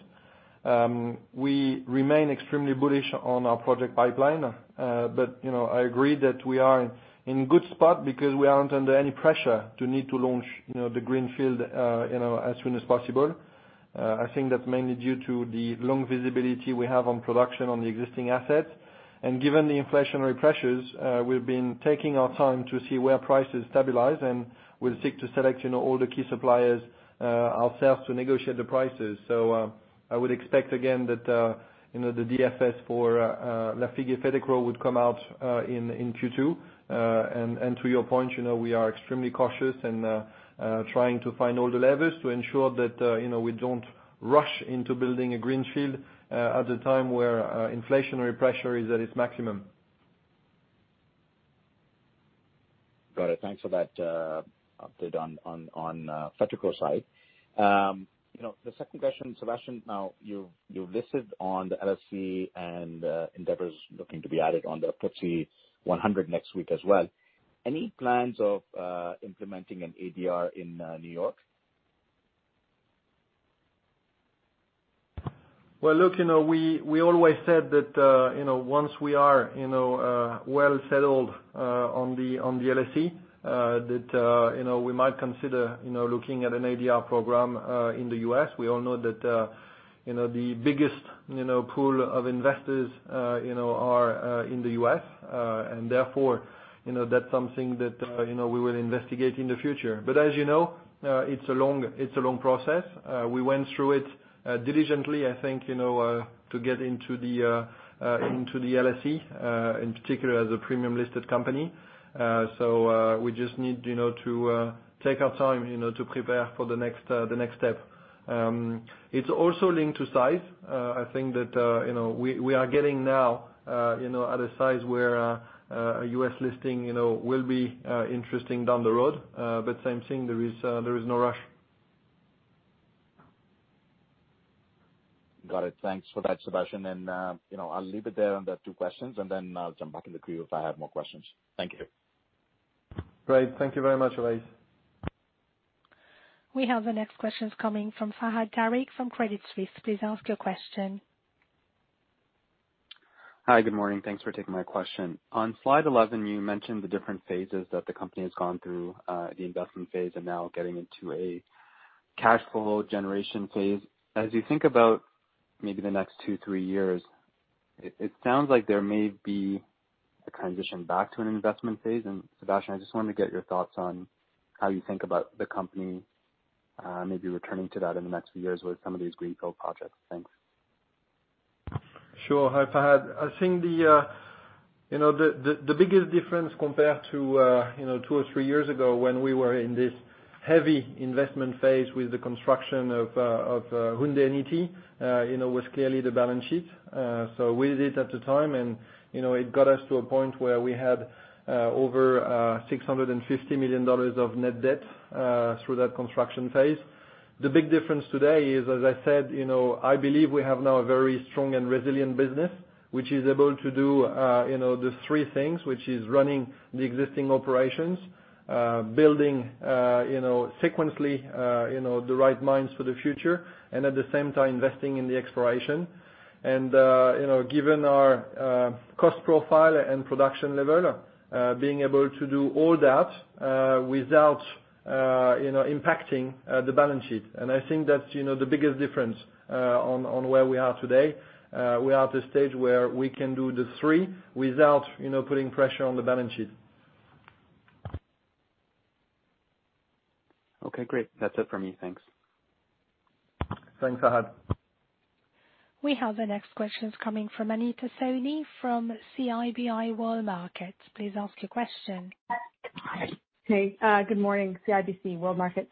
We remain extremely bullish on our project pipeline. But you know, I agree that we are in good spot because we aren't under any pressure to need to launch the greenfield as soon as possible. I think that's mainly due to the long visibility we have on production on the existing assets. Given the inflationary pressures, we've been taking our time to see where prices stabilize, and we'll seek to select, you know, all the key suppliers, ourselves to negotiate the prices. I would expect again that, you know, the DFS for Lafigué Fetekro would come out in Q2. To your point, you know, we are extremely cautious and trying to find all the levers to ensure that, you know, we don't rush into building a greenfield at a time where inflationary pressure is at its maximum. Got it. Thanks for that, update on Fetekro side. You know, the second question, Sébastien, now you listed on the LSE and Endeavour's looking to be added on the FTSE 100 next week as well. Any plans of implementing an ADR in New York? Well, look, you know, we always said that, you know, once we are, you know, well settled on the LSE, that, you know, we might consider, you know, looking at an ADR program in the U.S. We all know that, you know, the biggest, you know, pool of investors, you know, are in the U.S., and therefore, you know, that's something that, you know, we will investigate in the future. As you know, it's a long process. We went through it diligently, I think, you know, to get into the LSE, in particular as a premium listed company. We just need, you know, to take our time, you know, to prepare for the next step. It's also linked to size. I think that, you know, we are getting now, you know, at a size where a U.S. listing, you know, will be interesting down the road. Same thing, there is no rush. Got it. Thanks for that, Sébastien. I'll leave it there on that two questions, and then I'll jump back in the queue if I have more questions. Thank you. Great. Thank you very much, Ovais. We have the next questions coming from Fahad Tariq from Credit Suisse. Please ask your question. Hi, good morning. Thanks for taking my question. On slide 11, you mentioned the different phases that the company has gone through, the investment phase and now getting into a cash flow generation phase. As you think about maybe the next two, three years, it sounds like there may be a transition back to an investment phase. Sébastien, I just wanted to get your thoughts on how you think about the company, maybe returning to that in the next few years with some of these greenfield projects. Thanks. Sure. Hi, Fahad. I think the you know, the biggest difference compared to you know, two or three years ago when we were in this heavy investment phase with the construction of Houndé and Ity you know, was clearly the balance sheet. So we did at the time and you know, it got us to a point where we had over $650 million of net debt through that construction phase. The big difference today is, as I said, you know, I believe we have now a very strong and resilient business, which is able to do you know, the three things, which is running the existing operations, building you know, sequentially you know, the right mines for the future and at the same time investing in the exploration. You know, given our cost profile and production level, being able to do all that without you know impacting the balance sheet. I think that's you know the biggest difference on where we are today. We are at a stage where we can do the three without you know putting pressure on the balance sheet. Okay, great. That's it for me. Thanks. Thanks, Fahad. We have the next questions coming from Anita Soni from CIBC World Markets. Please ask your question. Hey. Good morning, CIBC World Markets.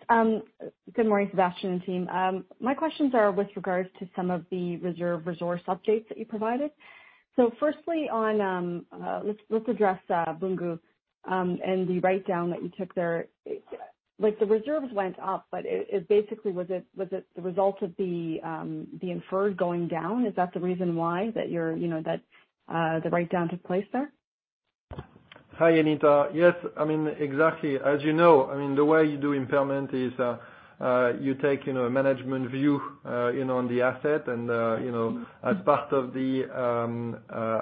Good morning, Sébastien and team. My questions are with regards to some of the reserve resource updates that you provided. Firstly on, let's address Boungou and the write-down that you took there. Like, the reserves went up, but it basically was it the result of the inferred going down? Is that the reason why, you know, that the write-down took place there? Hi, Anita. Yes, I mean, exactly. As you know, I mean, the way you do impairment is, you take, you know, a management view, you know, on the asset. You know, as part of the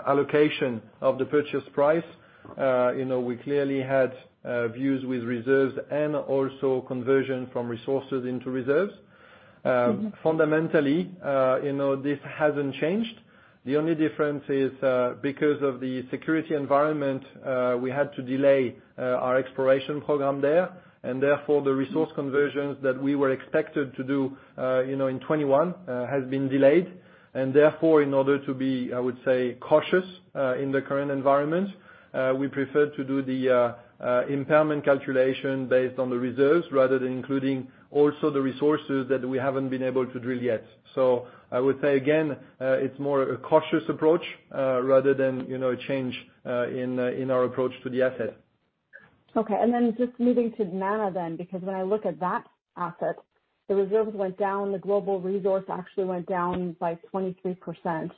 allocation of the purchase price, you know, we clearly had views with reserves and also conversion from resources into reserves. Mm-hmm. Fundamentally, you know, this hasn't changed. The only difference is, because of the security environment, we had to delay our exploration program there, and therefore. Mm-hmm The resource conversions that we were expected to do, you know, in 2021, has been delayed. Therefore, in order to be, I would say, cautious, in the current environment, we prefer to do the impairment calculation based on the reserves rather than including also the resources that we haven't been able to drill yet. I would say again, it's more a cautious approach, rather than, you know, a change, in our approach to the asset. Okay, just moving to Mana, because when I look at that asset, the reserves went down, the global resource actually went down by 23%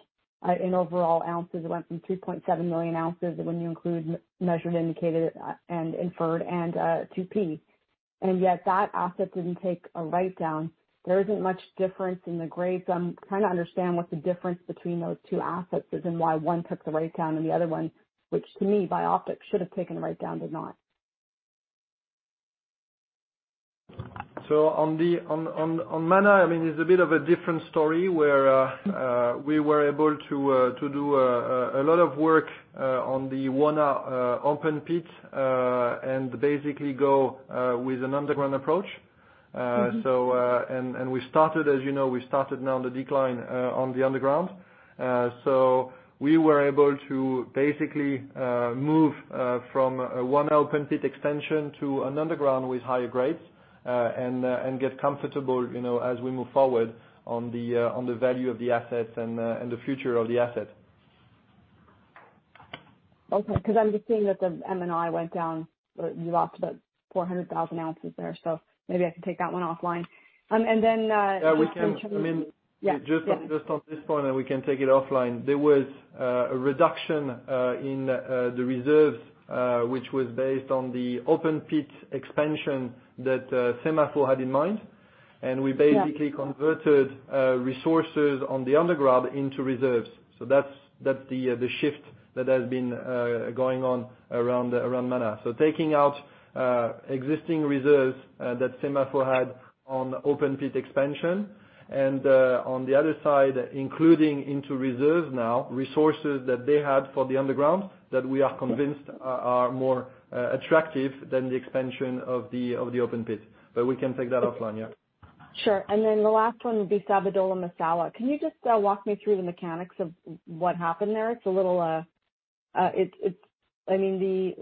in overall ounces. It went from 2.7 million ounces when you include measured, indicated, and inferred and 2P. Yet that asset didn't take a write-down. There isn't much difference in the grades. I'm trying to understand what the difference between those two assets is and why one took the write-down and the other one, which to me by optics should have taken the write-down, did not. On the Mana, I mean, it's a bit of a different story where we were able to do a lot of work on the Wona open pit and basically go with an underground approach. Mm-hmm. We started, as you know, now the decline on the underground. We were able to basically move from one open pit extension to an underground with higher grades and get comfortable, you know, as we move forward on the value of the asset and the future of the asset. Okay, because I'm just seeing that the M&I went down. You lost about 400,000 ounces there, so maybe I can take that one offline. Yeah, we can. Yeah. I mean, just on this point, and we can take it offline. There was a reduction in the reserves which was based on the open pit expansion that SEMAFO had in mind. Yeah. We basically converted resources on the underground into reserves. That's the shift that has been going on around Mana. Taking out existing reserves that SEMAFO had on open pit expansion and, on the other side, including into reserves now resources that they had for the underground that we are convinced are more attractive than the expansion of the open pit. We can take that offline, yeah. Sure. Then the last one would be Sabodala-Massawa. Can you just walk me through the mechanics of what happened there? It's a little. I mean,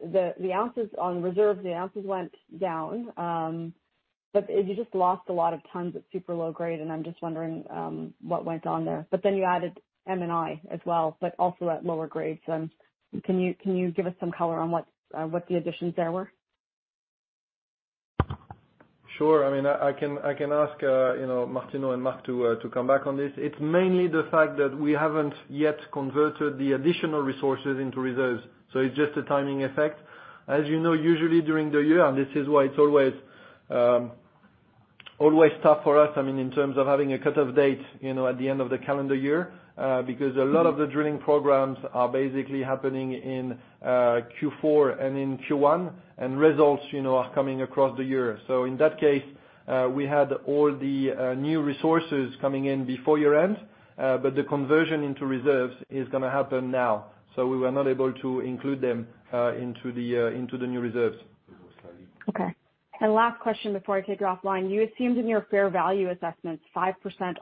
the ounces on reserve, the ounces went down, but you just lost a lot of tons at super low grade, and I'm just wondering what went on there. Then you added M&I as well, but also at lower grades. Can you give us some color on what the additions there were? Sure. I mean, I can ask you know, Martino and Mark to come back on this. It's mainly the fact that we haven't yet converted the additional resources into reserves, so it's just a timing effect. As you know, usually during the year, and this is why it's always tough for us, I mean, in terms of having a cut-off date you know, at the end of the calendar year because a lot of the drilling programs are basically happening in Q4 and in Q1, and results you know, are coming across the year. So in that case we had all the new resources coming in before year-end but the conversion into reserves is gonna happen now, so we were not able to include them into the new reserves. Okay. Last question before I take you offline. You assumed in your fair value assessments 5%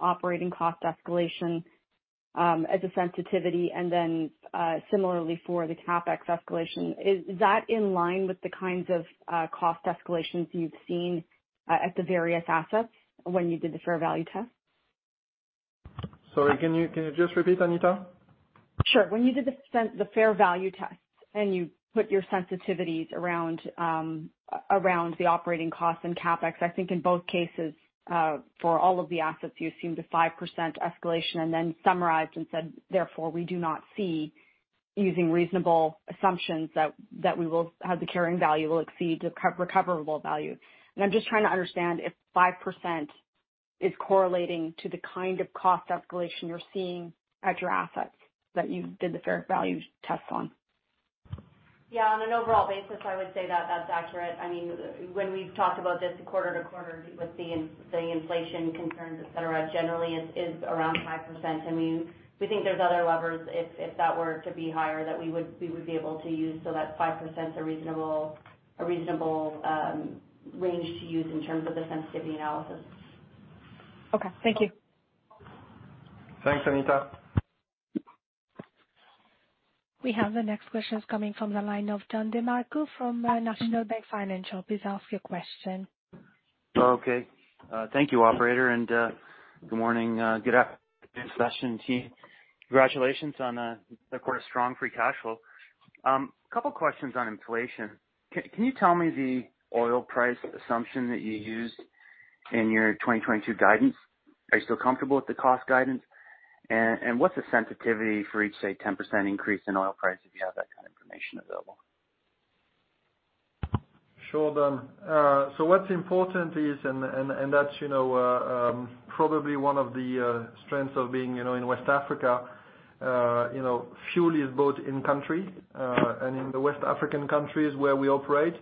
operating cost escalation as a sensitivity and then similarly for the CapEx escalation. Is that in line with the kinds of cost escalations you've seen at the various assets when you did the fair value test? Sorry, can you just repeat, Anita? Sure. When you did the fair value test and you put your sensitivities around the operating costs and CapEx, I think in both cases, for all of the assets, you assumed a 5% escalation and then summarized and said, "Therefore, we do not see using reasonable assumptions that the carrying value will exceed the recoverable value." I'm just trying to understand if 5% is correlating to the kind of cost escalation you're seeing at your assets that you did the fair value tests on. Yeah. On an overall basis, I would say that that's accurate. I mean, when we've talked about this quarter to quarter with the inflation concerns, et cetera, generally it's around 5%. I mean, we think there's other levers if that were to be higher that we would be able to use so that 5%'s a reasonable range to use in terms of the sensitivity analysis. Okay. Thank you. Thanks, Anita. We have the next question coming from the line of Don DeMarco from National Bank Financial. Please ask your question. Okay. Thank you, operator. Good morning, good session team. Congratulations on the strong quarter free cash flow. A couple questions on inflation. Can you tell me the oil price assumption that you used in your 2022 guidance? Are you still comfortable with the cost guidance? What's the sensitivity for each, say, 10% increase in oil price if you have that kind of information available? Sure Don. What's important is and that's one of the strengths of being in West Africa. You know, fuel is both in country and in the West African countries where we operate,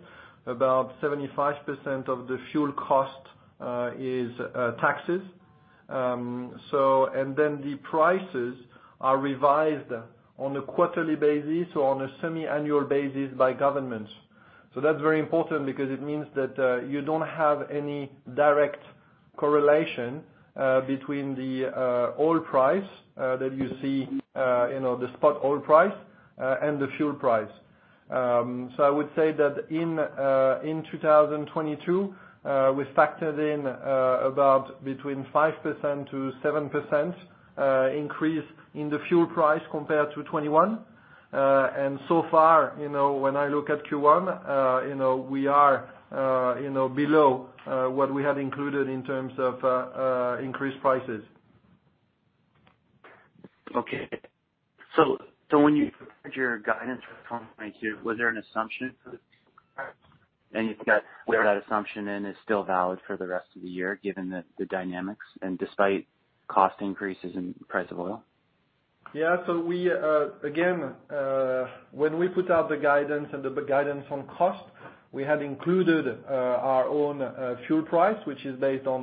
about 75% of the fuel cost is taxes. And then the prices are revised on a quarterly basis or on a semi-annual basis by governments. That's very important because it means that you don't have any direct correlation between the oil price that you see, you know, the spot oil price, and the fuel price. I would say that in 2022, we factored in about between 5%-7% increase in the fuel price compared to 2021. So far, you know, when I look at Q1, you know, we are, you know, below what we had included in terms of increased prices. Okay. When you provided your guidance for 2022, was there an assumption for the ? You've got- Yes. Whether that assumption then is still valid for the rest of the year, given the dynamics and despite cost increases in price of oil? Yeah. We, again, when we put out the guidance and the guidance on cost, we had included our own fuel price, which is based on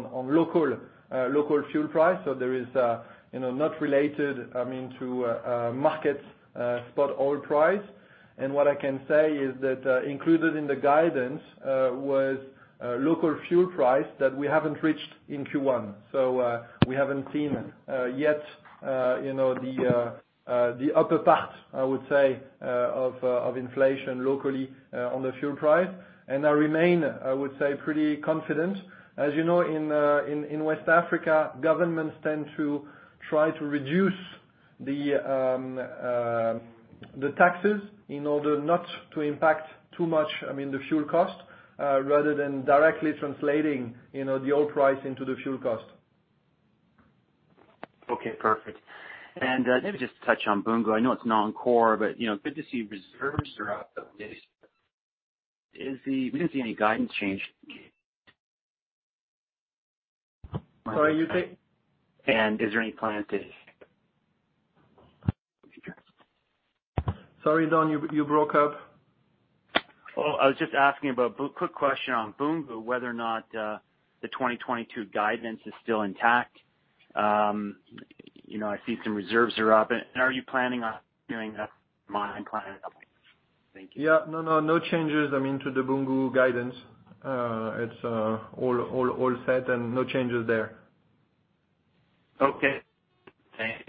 local fuel price. There is, you know, not related, I mean, to a market spot oil price. What I can say is that included in the guidance was local fuel price that we haven't reached in Q1. We haven't seen yet, you know, the upper part, I would say, of inflation locally on the fuel price. I remain, I would say, pretty confident. As you know, in West Africa, governments tend to try to reduce the taxes in order not to impact too much, I mean, the fuel cost, rather than directly translating, you know, the oil price into the fuel cost. Okay, perfect. Maybe just touch on Boungou. I know it's non-core, but, you know, good to see reserves are up. We didn't see any guidance change. Sorry, you say? Is there any plan to? Sorry, Don, you broke up. Oh, I was just asking about Boungou. Quick question on Boungou, whether or not the 2022 guidance is still intact. You know, I see some reserves are up. Are you planning on doing a mine? Yeah. No changes, I mean, to the Boungou guidance. It's all set and no changes there. Okay. Thanks.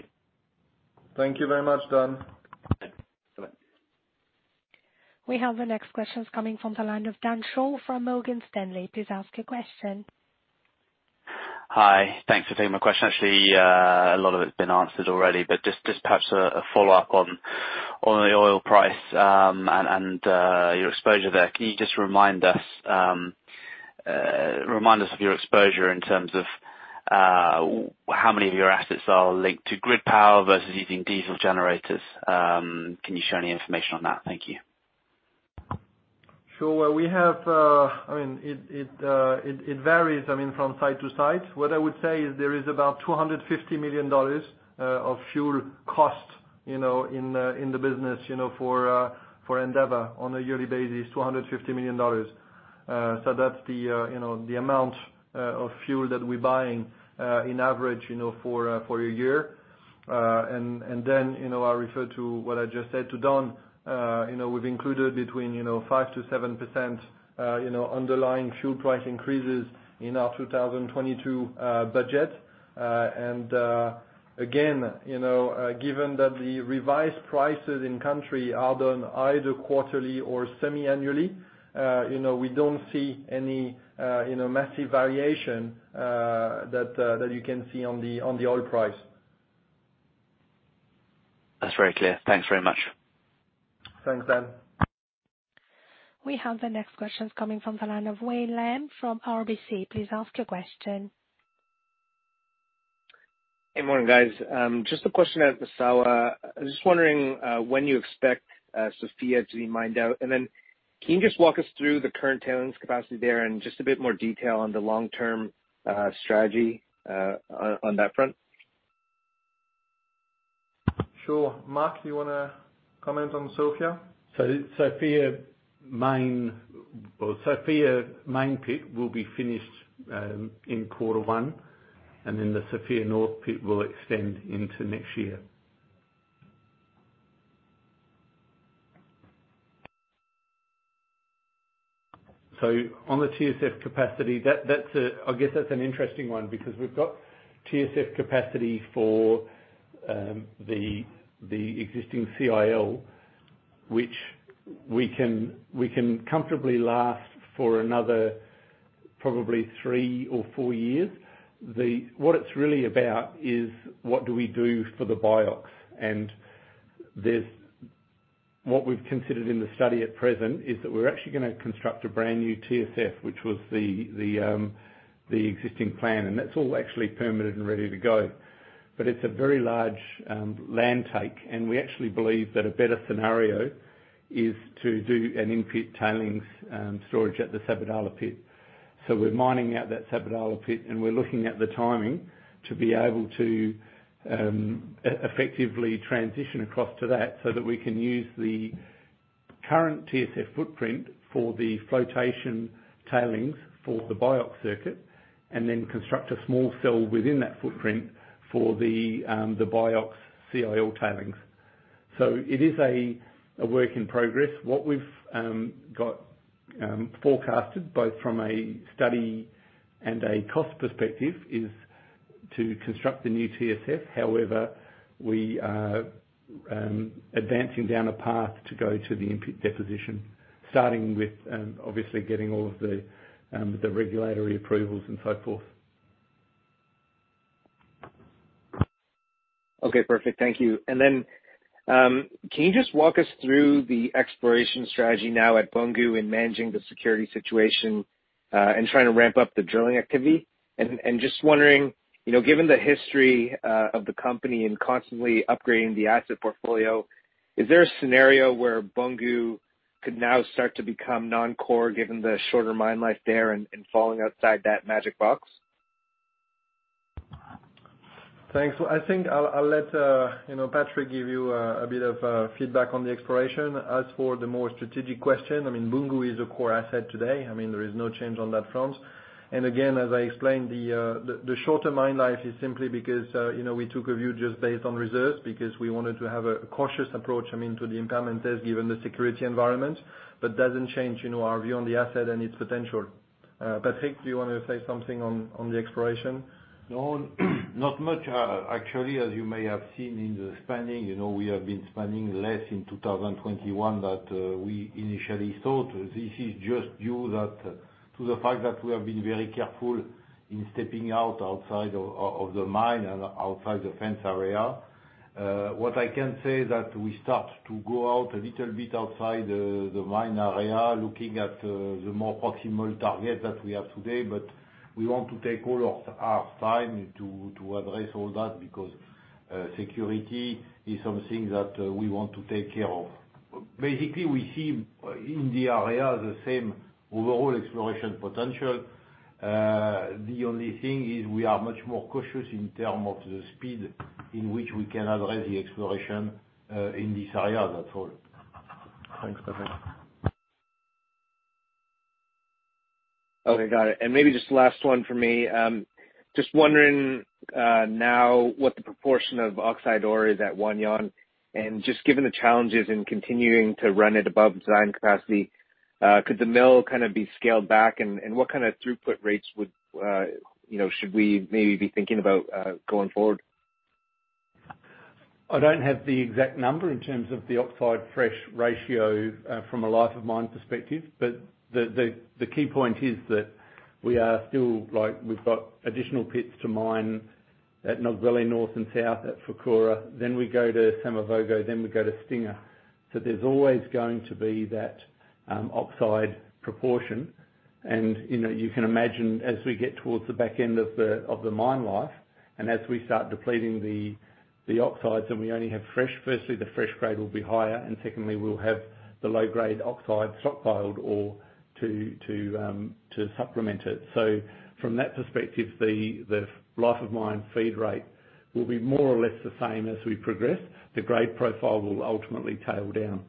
Thank you very much, Don. Bye. Bye. We have the next questions coming from the line of Dan Shaw from Morgan Stanley. Please ask your question. Hi. Thanks for taking my question. Actually, a lot of it's been answered already, but just perhaps a follow-up on the oil price, and your exposure there. Can you just remind us of your exposure in terms of how many of your assets are linked to grid power versus using diesel generators? Can you share any information on that? Thank you. Sure. Well, I mean, it varies, I mean, from site to site. What I would say is there is about $250 million of fuel costs, you know, in the business, you know, for Endeavour. On a yearly basis, $250 million. So that's the, you know, the amount of fuel that we're buying on average, you know, for a year. Then, you know, I refer to what I just said to Don, you know, we've included between 5%-7% underlying fuel price increases in our 2022 budget. Again, you know, given that the revised prices in country are done either quarterly or semiannually, you know, we don't see any, you know, massive variation that you can see on the oil price. That's very clear. Thanks very much. Thanks, Dan. We have the next questions coming from the line of Wayne Lam from RBC. Please ask your question. Hey, morning, guys. Just a question about Massawa. I was just wondering when you expect Sofia to be mined out. Then can you just walk us through the current tailings capacity there, and just a bit more detail on the long-term strategy on that front? Sure. Mark, do you wanna comment on Sofia? Sofia Main Pit will be finished in quarter one, and then the Sofia North Pit will extend into next year. On the TSF capacity, that's an interesting one, because we've got TSF capacity for the existing CIL, which we can comfortably last for another probably three or four years. What it's really about is what do we do for the BIOX? What we've considered in the study at present is that we're actually gonna construct a brand new TSF, which was the existing plan, and that's all actually permitted and ready to go. But it's a very large land take, and we actually believe that a better scenario is to do an in-pit tailings storage at the Sabodala pit. We're mining out that Sabodala pit, and we're looking at the timing to be able to effectively transition across to that, so that we can use the current TSF footprint for the flotation tailings for the BIOX circuit, and then construct a small cell within that footprint for the BIOX CIL tailings. It is a work in progress. What we've got forecasted, both from a study and a cost perspective, is to construct a new TSF. However, we are advancing down a path to go to the in-pit deposition, starting with obviously getting all of the regulatory approvals and so forth. Okay, perfect. Thank you. Can you just walk us through the exploration strategy now at Boungou in managing the security situation and trying to ramp up the drilling activity? Just wondering, you know, given the history of the company in constantly upgrading the asset portfolio, is there a scenario where Boungou could now start to become non-core given the shorter mine life there and falling outside that magic box? Thanks. I think I'll let you know, Patrick, give you a bit of feedback on the exploration. As for the more strategic question, I mean, Boungou is a core asset today. I mean, there is no change on that front. Again, as I explained, the shorter mine life is simply because you know, we took a view just based on reserves because we wanted to have a cautious approach, I mean, to the impairment test given the security environment. But doesn't change you know, our view on the asset and its potential. Patrick, do you wanna say something on the exploration? No, not much. Actually, as you may have seen in the spending, you know, we have been spending less in 2021 than we initially thought. This is just due to the fact that we have been very careful in stepping outside of the mine and outside the fence area. What I can say is that we start to go out a little bit outside the mine area, looking at the more proximal target that we have today. We want to take all of our time to address all that because security is something that we want to take care of. Basically, we see in the area the same overall exploration potential. The only thing is we are much more cautious in terms of the speed in which we can address the exploration in this area. That's all. Thanks, Patrick. Okay, got it. Maybe just last one for me. Just wondering, now what the proportion of oxide ore is at Wahgnion, and just given the challenges in continuing to run it above design capacity, could the mill kind of be scaled back and what kind of throughput rates would, you know, should we maybe be thinking about, going forward? I don't have the exact number in terms of the oxide fresh ratio from a life of mine perspective, but the key point is that we are still like we've got additional pits to mine at Nogbele North and South, at Fourkoura, then we go to Samavogo, then we go to Stinger. There's always going to be that oxide proportion. You know, you can imagine as we get towards the back end of the mine life, and as we start depleting the oxides, and we only have fresh, firstly, the fresh grade will be higher, and secondly, we'll have the low grade oxide stockpiled or to supplement it. From that perspective, the life of mine feed rate will be more or less the same as we progress. The grade profile will ultimately tail down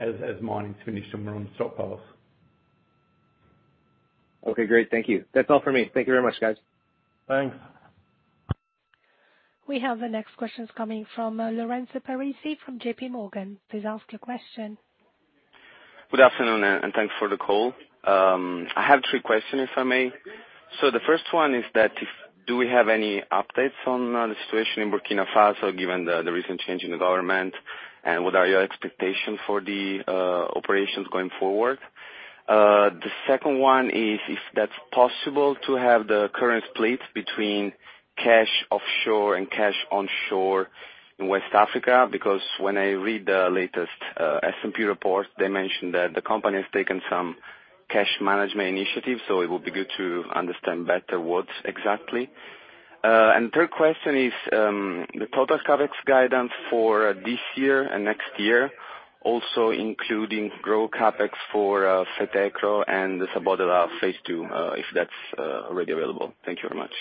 as mining's finished and we're on stockpiles. Okay, great. Thank you. That's all for me. Thank you very much, guys. Thanks. We have the next questions coming from, Lorenzo Parisi from JPMorgan. Please ask your question. Good afternoon, and thanks for the call. I have three questions, if I may. The first one is do we have any updates on the situation in Burkina Faso, given the recent change in the government, and what are your expectations for the operations going forward? The second one is if that's possible to have the current split between cash offshore and cash onshore in West Africa, because when I read the latest S&P report, they mentioned that the company has taken some cash management initiatives, so it would be good to understand better what exactly. The third question is the total CapEx guidance for this year and next year, also including growth CapEx for Fetekro and the Sabodala-Massawa phase II, if that's already available. Thank you very much.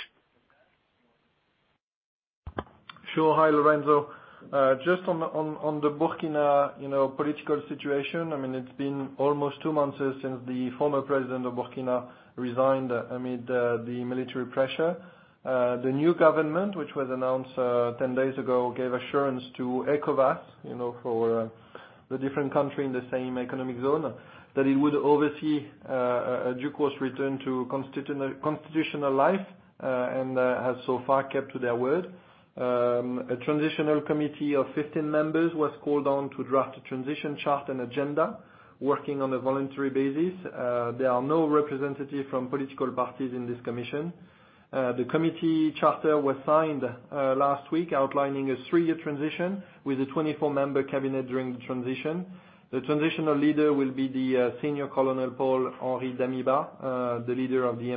Sure. Hi, Lorenzo. Just on the Burkina, you know, political situation, I mean, it's been almost two months since the former president of Burkina resigned amid the military pressure. The new government, which was announced 10 days ago, gave assurance to ECOWAS, you know, for the different country in the same economic zone, that it would oversee in due course return to constitutional life, and has so far kept to their word. A transitional committee of 15 members was called on to draft a transition charter and agenda working on a voluntary basis. There are no representative from political parties in this commission. The committee charter was signed last week outlining a three-year transition with a 24-member cabinet during the transition. The transitional leader will be the Senior Colonel Paul-Henri Damiba, the leader of the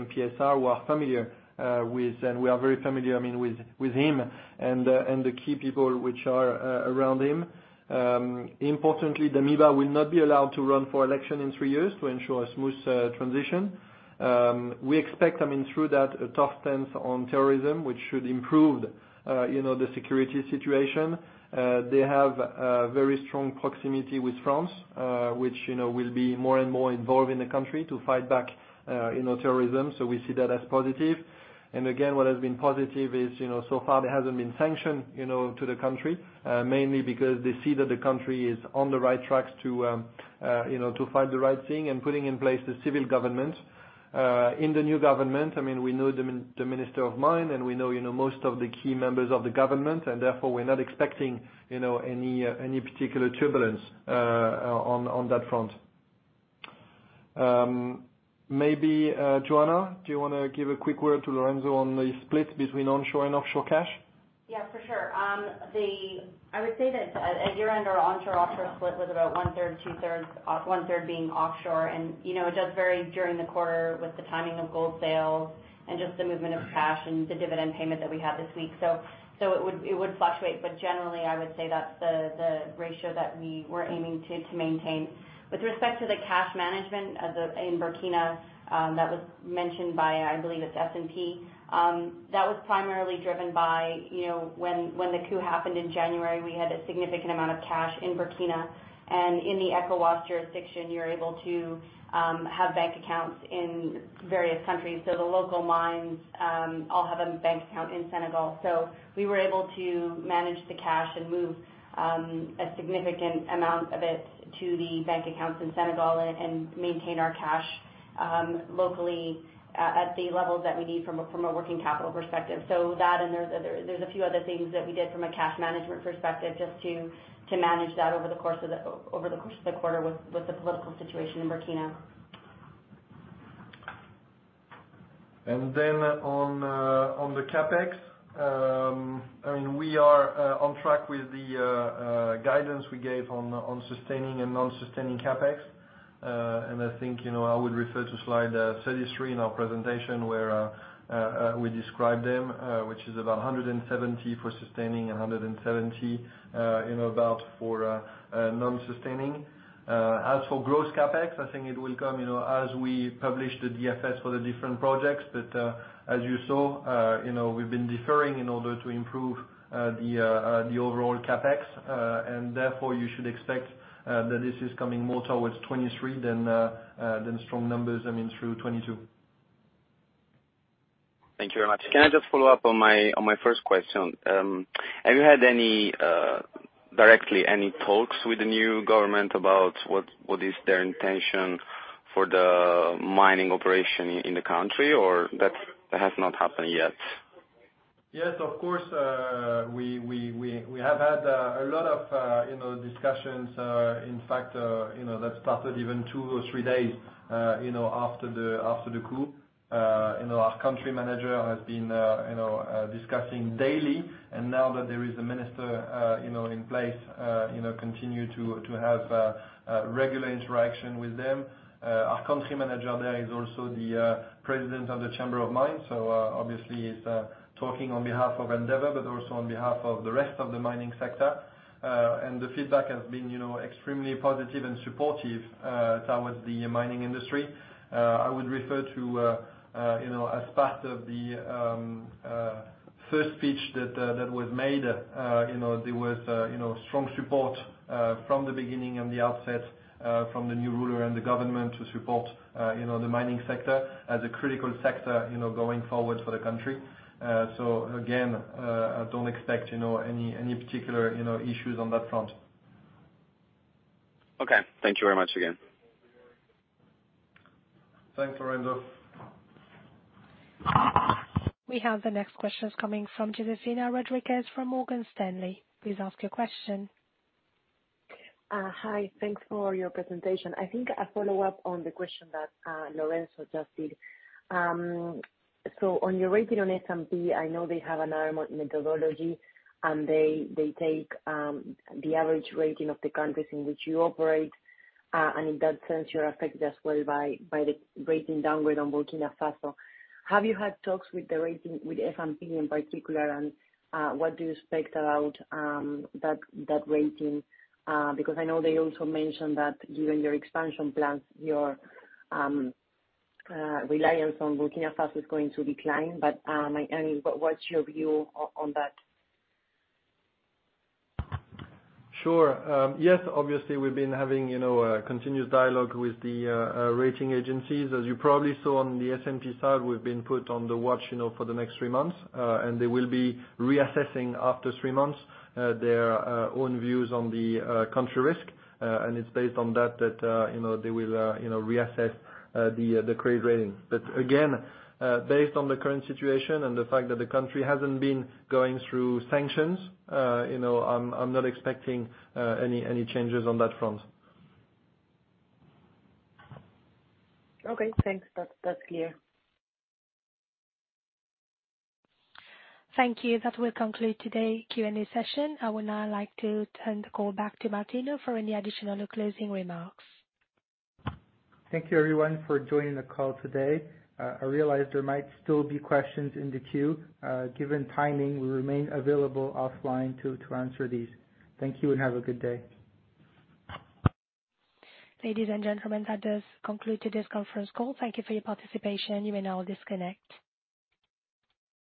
MPSR, with whom we are very familiar, I mean, with him and the key people around him. Importantly, Damiba will not be allowed to run for election in three years to ensure a smooth transition. We expect, I mean, through that, a tough stance on terrorism, which should improve, you know, the security situation. They have a very strong proximity with France, which, you know, will be more and more involved in the country to fight back, you know, terrorism. We see that as positive. Again, what has been positive is, you know, so far there hasn't been sanction, you know, to the country, mainly because they see that the country is on the right tracks to, you know, to fight the right thing and putting in place the civil government. In the new government, I mean, we know the Minister of Mines, and we know, you know, most of the key members of the government, and therefore, we're not expecting, you know, any particular turbulence, on that front. Maybe, Joanna, do you wanna give a quick word to Lorenzo on the split between onshore and offshore cash? Yeah, for sure. I would say that at year-end, our onshore offshore split was about one-third, two-thirds, one-third being offshore. You know, it does vary during the quarter with the timing of gold sales and just the movement of cash and the dividend payment that we had this week. It would fluctuate, but generally, I would say that's the ratio that we were aiming to maintain. With respect to the cash management in Burkina, that was mentioned by, I believe it's S&P, that was primarily driven by, you know, when the coup happened in January, we had a significant amount of cash in Burkina. In the ECOWAS jurisdiction, you're able to have bank accounts in various countries. So the local mines all have a bank account in Senegal. We were able to manage the cash and move a significant amount of it to the bank accounts in Senegal and maintain our cash locally at the levels that we need from a working capital perspective. That and there's a few other things that we did from a cash management perspective just to manage that over the course of the quarter with the political situation in Burkina. On the CapEx, I mean, we are on track with the guidance we gave on sustaining and non-sustaining CapEx. I think, you know, I would refer to slide 33 in our presentation where we describe them, which is about $170 for sustaining and $170, you know, about $170 for non-sustaining. As for gross CapEx, I think it will come, you know, as we publish the DFS for the different projects. As you saw, you know, we've been deferring in order to improve the overall CapEx, and therefore you should expect that this is coming more towards 2023 than strong numbers, I mean, through 2022. Thank you very much. Can I just follow up on my first question? Have you had any direct talks with the new government about what is their intention for the mining operation in the country, or that has not happened yet? Yes, of course. We have had a lot of, you know, discussions. In fact, you know, that started even two or three days, you know, after the coup. You know, our country manager has been, you know, discussing daily. Now that there is a minister, you know, in place, you know, continue to have a regular interaction with them. Our country manager there is also the president of the Chamber of Mines. Obviously he's talking on behalf of Endeavour, but also on behalf of the rest of the mining sector. The feedback has been, you know, extremely positive and supportive towards the mining industry. I would refer to, you know, as part of the first speech that was made, you know, there was, you know, strong support from the beginning and the outset from the new ruler and the government to support, you know, the mining sector as a critical sector, you know, going forward for the country. Again, I don't expect, you know, any particular, you know, issues on that front. Okay. Thank you very much again. Thanks, Lorenzo. We have the next questions coming from Josefina Rodríguez, from Morgan Stanley. Please ask your question. Hi. Thanks for your presentation. I think a follow-up on the question that Lorenzo just did. So on your rating on S&P, I know they have another methodology, and they take the average rating of the countries in which you operate, and in that sense, you're affected as well by the rating downgrade on Burkina Faso. Have you had talks with the rating, with S&P in particular? What do you expect about that rating? Because I know they also mentioned that given your expansion plans, your reliance on Burkina Faso is going to decline. I mean, what's your view on that? Sure. Yes, obviously we've been having, you know, a continuous dialogue with the rating agencies. As you probably saw on the S&P side, we've been put on the watch, you know, for the next three months, and they will be reassessing after three months their own views on the country risk. It's based on that, you know, they will, you know, reassess the credit rating. Again, based on the current situation and the fact that the country hasn't been going through sanctions, you know, I'm not expecting any changes on that front. Okay, thanks. That's clear. Thank you. That will conclude today's Q&A session. I would now like to turn the call back to Martino for any additional closing remarks. Thank you everyone for joining the call today. I realize there might still be questions in the queue. Given timing, we remain available offline to answer these. Thank you and have a good day. Ladies and gentlemen, that does conclude today's conference call. Thank you for your participation. You may now disconnect.